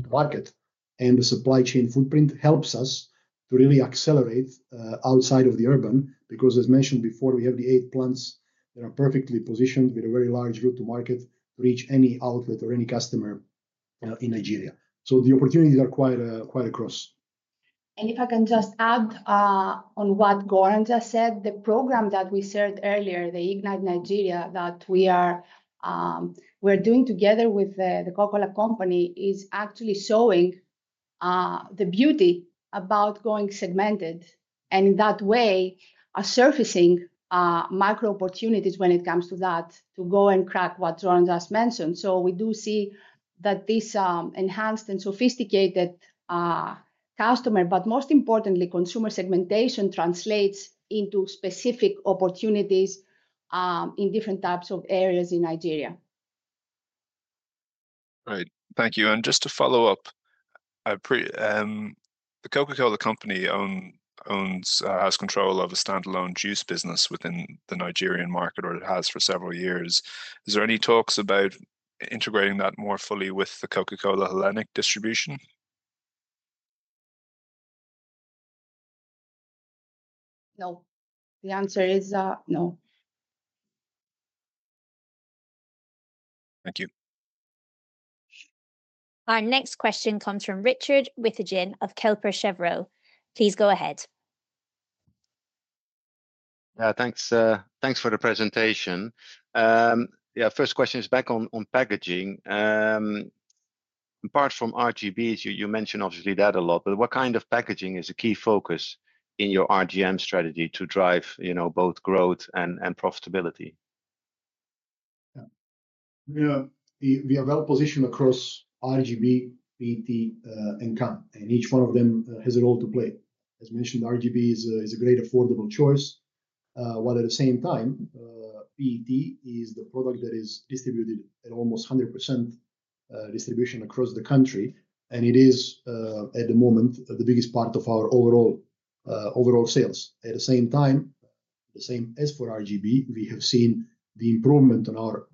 [SPEAKER 4] Market and the supply chain footprint helps us to really accelerate outside of the urban because, as mentioned before, we have the eight plants that are perfectly positioned with a very large route to market to reach any outlet or any customer in Nigeria. So the opportunities are quite across.
[SPEAKER 3] If I can just add. On what Goran just said, the program that we shared earlier, the Ignite Nigeria that we are doing together with the Coca-Cola Company is actually showing the beauty about going segmented. In that way, we are surfacing micro opportunities when it comes to that, to go and crack what Goran just mentioned. We do see that this enhanced and sophisticated customer, but most importantly, consumer segmentation translates into specific opportunities in different types of areas in Nigeria.
[SPEAKER 10] Great. Thank you. Just to follow up, the Coca-Cola Company owns, has control of a standalone juice business within the Nigerian market, or it has for several years. Is there any talks about integrating that more fully with the Coca-Cola Hellenic distribution?
[SPEAKER 3] No. The answer is no.
[SPEAKER 10] Thank you.
[SPEAKER 1] Our next question comes from Richard Withagen of Kepler Cheuvreux. Please go ahead.
[SPEAKER 11] Yeah, thanks for the presentation. Yeah, first question is back on packaging. Apart from RGBs, you mentioned obviously that a lot, but what kind of packaging is a key focus in your RGM strategy to drive both growth and profitability?
[SPEAKER 4] Yeah. We are well positioned across RGB, PET, and can, and each one of them has a role to play. As mentioned, RGB is a great affordable choice. While at the same time, PET is the product that is distributed at almost 100% distribution across the country, and it is at the moment the biggest part of our overall sales. At the same time, the same as for RGB, we have seen the improvement in our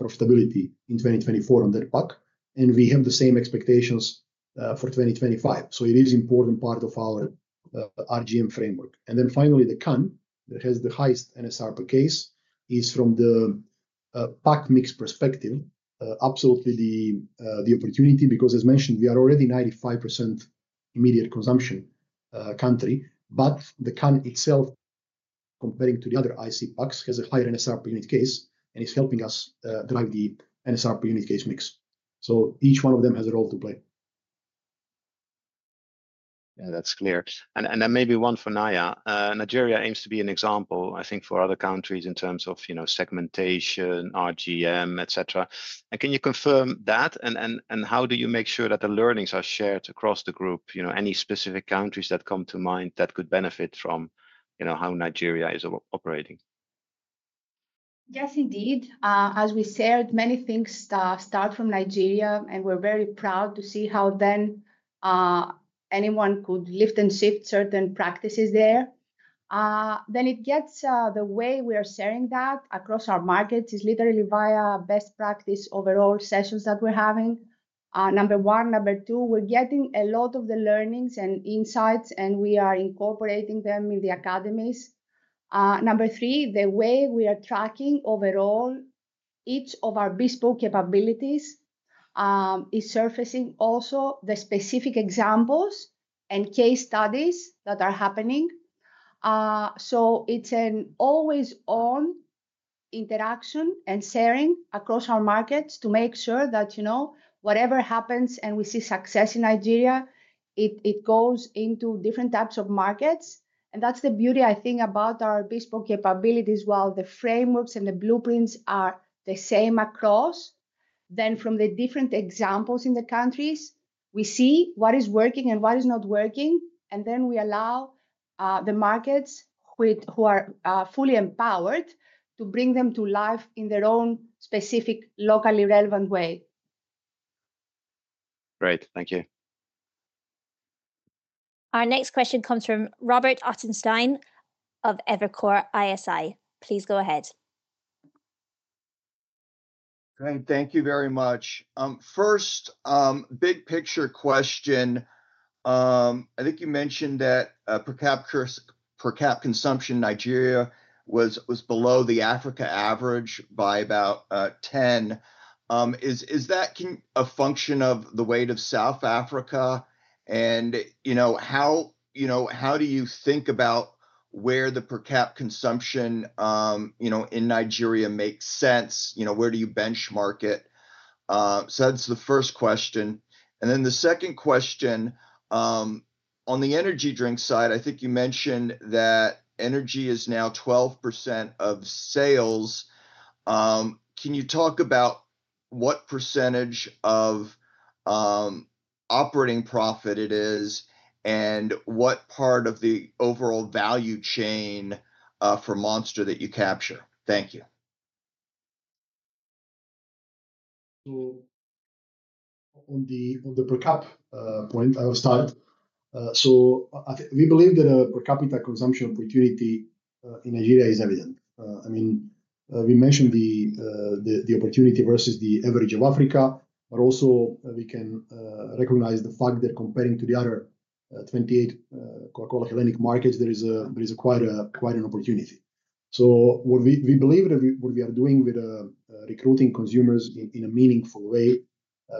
[SPEAKER 4] profitability in 2024 on that pack, and we have the same expectations for 2025. It is an important part of our RGM framework. Finally, the can, that has the highest NSR per case, is from the pack mix perspective absolutely the opportunity because, as mentioned, we are already a 95% immediate consumption country, but the can itself. Comparing to the other IC packs, has a higher NSR per unit case and is helping us drive the NSR per unit case mix. Each one of them has a role to play.
[SPEAKER 11] Yeah, that's clear. Maybe one for Naya. Nigeria aims to be an example, I think, for other countries in terms of segmentation, RGM, etc. Can you confirm that? How do you make sure that the learnings are shared across the group? Any specific countries that come to mind that could benefit from how Nigeria is operating?
[SPEAKER 3] Yes, indeed. As we shared, many things start from Nigeria, and we're very proud to see how then. Anyone could lift and shift certain practices there. The way we are sharing that across our markets is literally via best practice overall sessions that we're having. Number one, number two, we're getting a lot of the learnings and insights, and we are incorporating them in the academies. Number three, the way we are tracking overall, each of our bespoke capabilities is surfacing also the specific examples and case studies that are happening. It is an always-on interaction and sharing across our markets to make sure that whatever happens and we see success in Nigeria, it goes into different types of markets. That is the beauty, I think, about our bespoke capabilities. While the frameworks and the blueprints are the same across, then from the different examples in the countries, we see what is working and what is not working, and then we allow the markets, who are fully empowered, to bring them to life in their own specific, locally relevant way.
[SPEAKER 11] Great. Thank you.
[SPEAKER 1] Our next question comes from Robert Ottenstein of Evercore ISI. Please go ahead.
[SPEAKER 12] Great. Thank you very much. First, big picture question. I think you mentioned that per cap consumption in Nigeria was below the Africa average by about 10%. Is that a function of the weight of South Africa? How do you think about where the per cap consumption in Nigeria makes sense? Where do you benchmark it? That is the first question. The second question, on the energy drink side, I think you mentioned that energy is now 12% of sales. Can you talk about what percentage of operating profit it is and what part of the overall value chain for Monster that you capture? Thank you.
[SPEAKER 4] On the per cap point, I'll start. We believe that a per capita consumption opportunity in Nigeria is evident. I mean, we mentioned the opportunity versus the average of Africa, but also we can recognize the fact that comparing to the other 28 Coca-Cola Hellenic markets, there is quite an opportunity. We believe that what we are doing with recruiting consumers in a meaningful way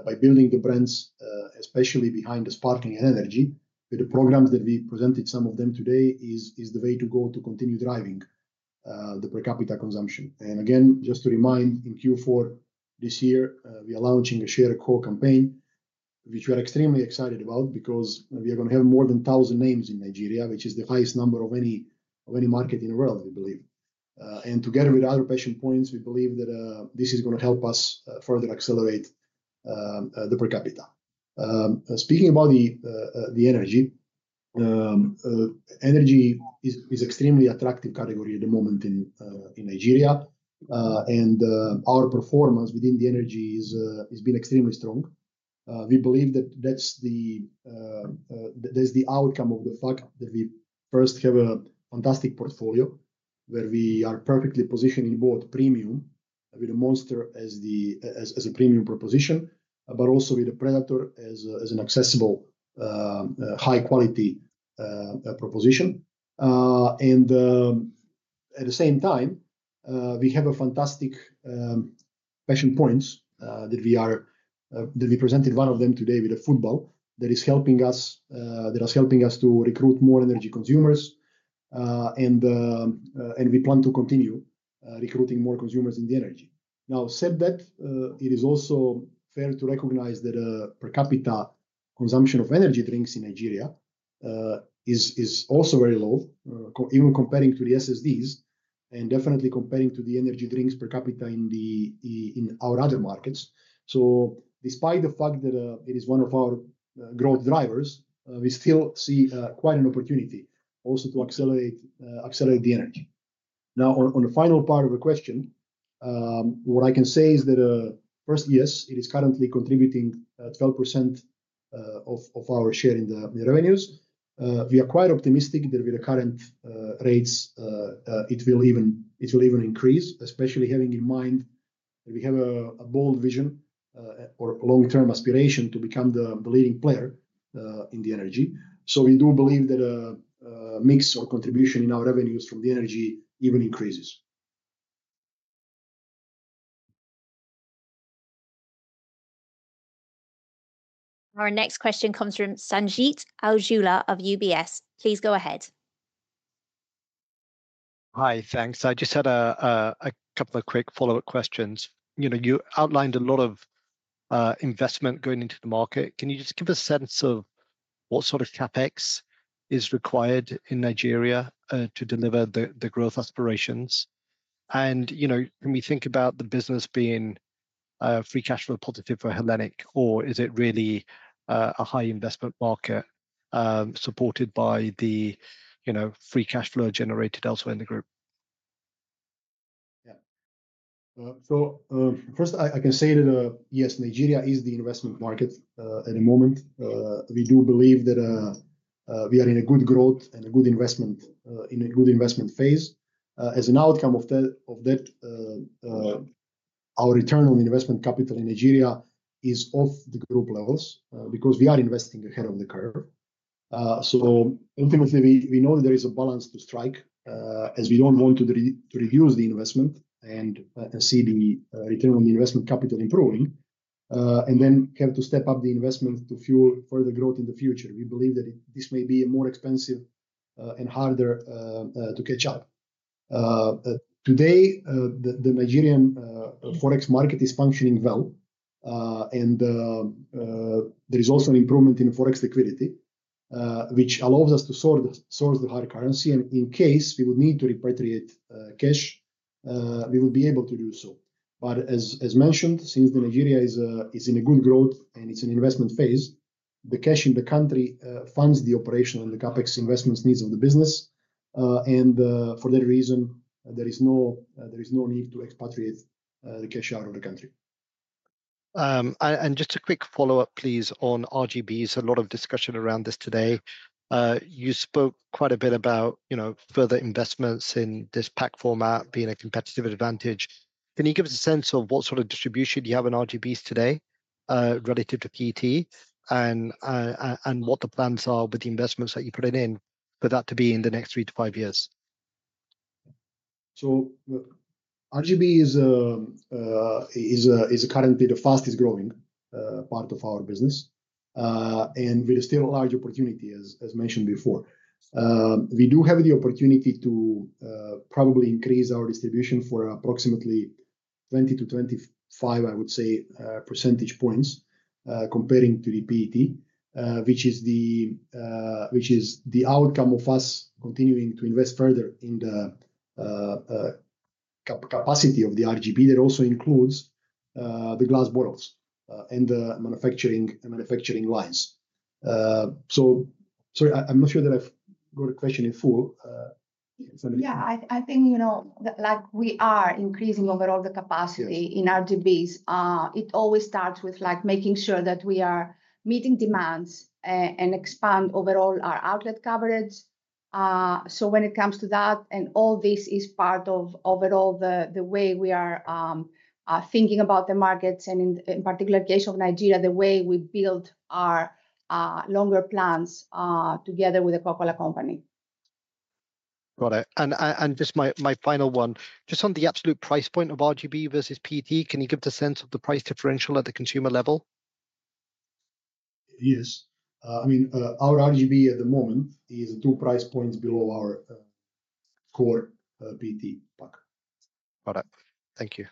[SPEAKER 4] by building the brands, especially behind the sparkling energy, with the programs that we presented, some of them today, is the way to go to continue driving the per capita consumption. Again, just to remind, in Q4 this year, we are launching a Share a Coke campaign which we are extremely excited about because we are going to have more than 1,000 names in Nigeria, which is the highest number of any market in the world, we believe. Together with other patient points, we believe that this is going to help us further accelerate the per capita. Speaking about the energy, energy is an extremely attractive category at the moment in Nigeria. Our performance within the energy has been extremely strong. We believe that that's the outcome of the fact that we first have a fantastic portfolio where we are perfectly positioned in both premium with Monster as a premium proposition, but also with Predator as an accessible, high-quality proposition. At the same time, we have fantastic patient points that we presented, one of them today with football, that is helping us to recruit more energy consumers. We plan to continue recruiting more consumers in the energy. Now, said that, it is also fair to recognize that per capita consumption of energy drinks in Nigeria. Is also very low, even comparing to the SSDs and definitely comparing to the energy drinks per capita in our other markets. Despite the fact that it is one of our growth drivers, we still see quite an opportunity also to accelerate the energy. Now, on the final part of the question. What I can say is that first, yes, it is currently contributing 12% of our share in the revenues. We are quite optimistic that with the current rates, it will even increase, especially having in mind that we have a bold vision or long-term aspiration to become the leading player in the energy. We do believe that mix or contribution in our revenues from the energy even increases.
[SPEAKER 1] Our next question comes from Sanjeet Aujla of UBS. Please go ahead.
[SPEAKER 9] Hi, thanks. I just had a couple of quick follow-up questions. You outlined a lot of investment going into the market. Can you just give a sense of what sort of CapEx is required in Nigeria to deliver the growth aspirations? Can we think about the business being free cash flow positive for Hellenic, or is it really a high investment market supported by the free cash flow generated elsewhere in the group?
[SPEAKER 4] Yeah. First, I can say that, yes, Nigeria is the investment market at the moment. We do believe that. We are in a good growth and a good investment phase. As an outcome of that, our return on investment capital in Nigeria is off the group levels because we are investing ahead of the curve. Ultimately, we know that there is a balance to strike as we do not want to reduce the investment and see the return on investment capital improving, and then have to step up the investment to fuel further growth in the future. We believe that this may be more expensive and harder to catch up. Today, the Nigerian forex market is functioning well. There is also an improvement in forex liquidity, which allows us to source the hard currency in case we would need to repatriate cash. We would be able to do so. As mentioned, since Nigeria is in a good growth and it's an investment phase, the cash in the country funds the operation and the CapEx investments needs of the business. For that reason, there is no need to expatriate the cash out of the country.
[SPEAKER 9] Just a quick follow-up, please, on RGBs. A lot of discussion around this today. You spoke quite a bit about further investments in this pack format being a competitive advantage. Can you give us a sense of what sort of distribution you have in RGBs today relative to PET and what the plans are with the investments that you put in for that to be in the next three to five years?
[SPEAKER 4] RGB is currently the fastest growing part of our business, and with a still large opportunity, as mentioned before. We do have the opportunity to probably increase our distribution for approximately 20-25 percentage points comparing to the PET, which is the outcome of us continuing to invest further in the capacity of the RGB. That also includes the glass bottles and the manufacturing lines. Sorry, I'm not sure that I've got a question in full.
[SPEAKER 3] Yeah, I think. We are increasing overall the capacity in RGBs. It always starts with making sure that we are meeting demands and expand overall our outlet coverage. When it comes to that, and all this is part of overall the way we are thinking about the markets and in particular case of Nigeria, the way we build our longer plans together with the Coca-Cola Company.
[SPEAKER 9] Got it. Just my final one, just on the absolute price point of RGB versus PET, can you give us a sense of the price differential at the consumer level?
[SPEAKER 4] Yes. I mean, our RGB at the moment is two price points below our core PET pack.
[SPEAKER 9] Got it. Thank you.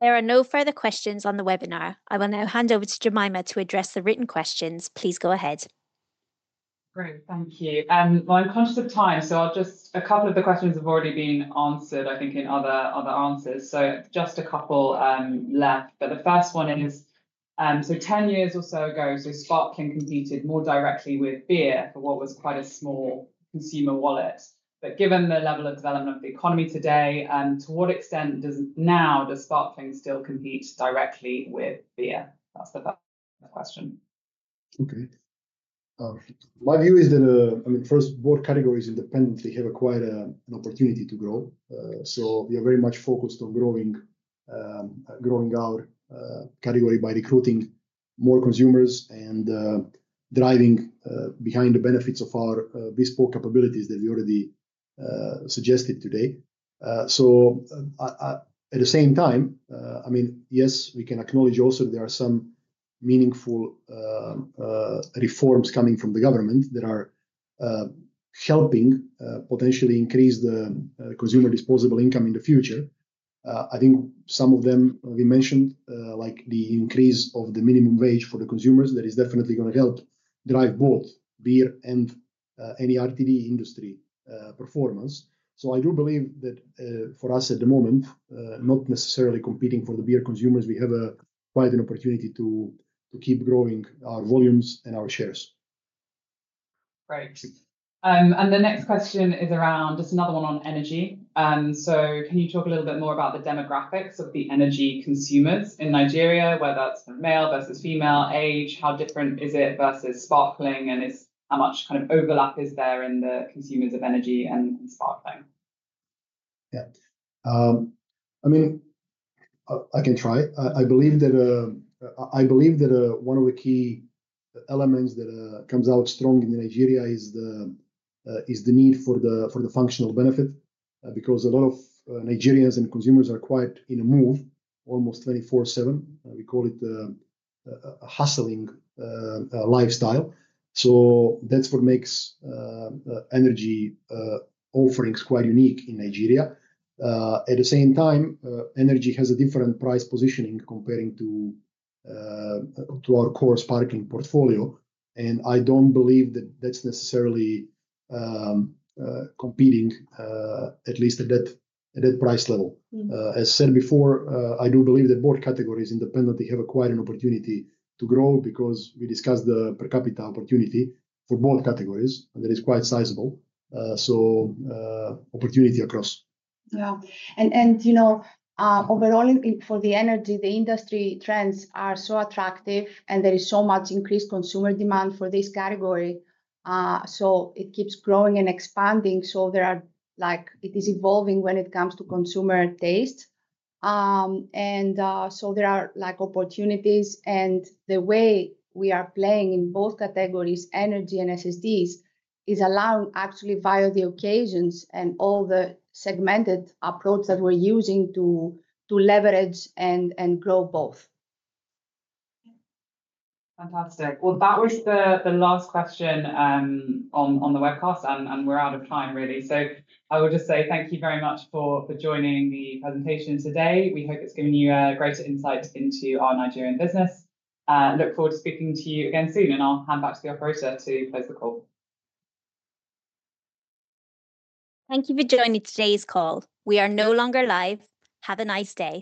[SPEAKER 1] There are no further questions on the webinar. I will now hand over to Jemima to address the written questions. Please go ahead.
[SPEAKER 2] Great. Thank you. I'm conscious of time, so a couple of the questions have already been answered, I think, in other answers. Just a couple left. The first one is, 10 years or so ago, Sparkling competed more directly with beer for what was quite a small consumer wallet. Given the level of development of the economy today, to what extent now does Sparkling still compete directly with beer? That's the first question.
[SPEAKER 4] Okay. My view is that, I mean, first, both categories independently have acquired an opportunity to grow. We are very much focused on growing our category by recruiting more consumers and driving behind the benefits of our bespoke capabilities that we already suggested today. At the same time, I mean, yes, we can acknowledge also that there are some meaningful reforms coming from the government that are helping potentially increase the consumer disposable income in the future. I think some of them we mentioned, like the increase of the minimum wage for the consumers, that is definitely going to help drive both beer and any RTD industry performance. I do believe that for us at the moment, not necessarily competing for the beer consumers, we have quite an opportunity to keep growing our volumes and our shares.
[SPEAKER 2] Great. The next question is around just another one on energy. Can you talk a little bit more about the demographics of the energy consumers in Nigeria, whether it's male versus female, age, how different is it versus sparkling, and how much kind of overlap is there in the consumers of energy and sparkling?
[SPEAKER 4] Yeah. I mean, I can try. I believe that one of the key elements that comes out strong in Nigeria is the need for the functional benefit because a lot of Nigerians and consumers are quite in a move, almost 24/7. We call it a hustling lifestyle. So that's what makes energy offerings quite unique in Nigeria. At the same time, energy has a different price positioning comparing to our core sparkling portfolio. I don't believe that that's necessarily competing, at least at that price level. As said before, I do believe that both categories independently have acquired an opportunity to grow because we discussed the per capita opportunity for both categories. That is quite sizable. Opportunity across.
[SPEAKER 3] Yeah. Overall, for the energy, the industry trends are so attractive, and there is so much increased consumer demand for this category. It keeps growing and expanding. It is evolving when it comes to consumer taste. There are opportunities. The way we are playing in both categories, energy and SSDs, is allowing actually via the occasions and all the segmented approach that we're using to leverage and grow both.
[SPEAKER 2] Fantastic. That was the last question on the webcast, and we're out of time, really. I will just say thank you very much for joining the presentation today. We hope it's given you greater insight into our Nigerian business. Look forward to speaking to you again soon, and I'll hand back to the operator to close the call.
[SPEAKER 1] Thank you for joining today's call. We are no longer live. Have a nice day.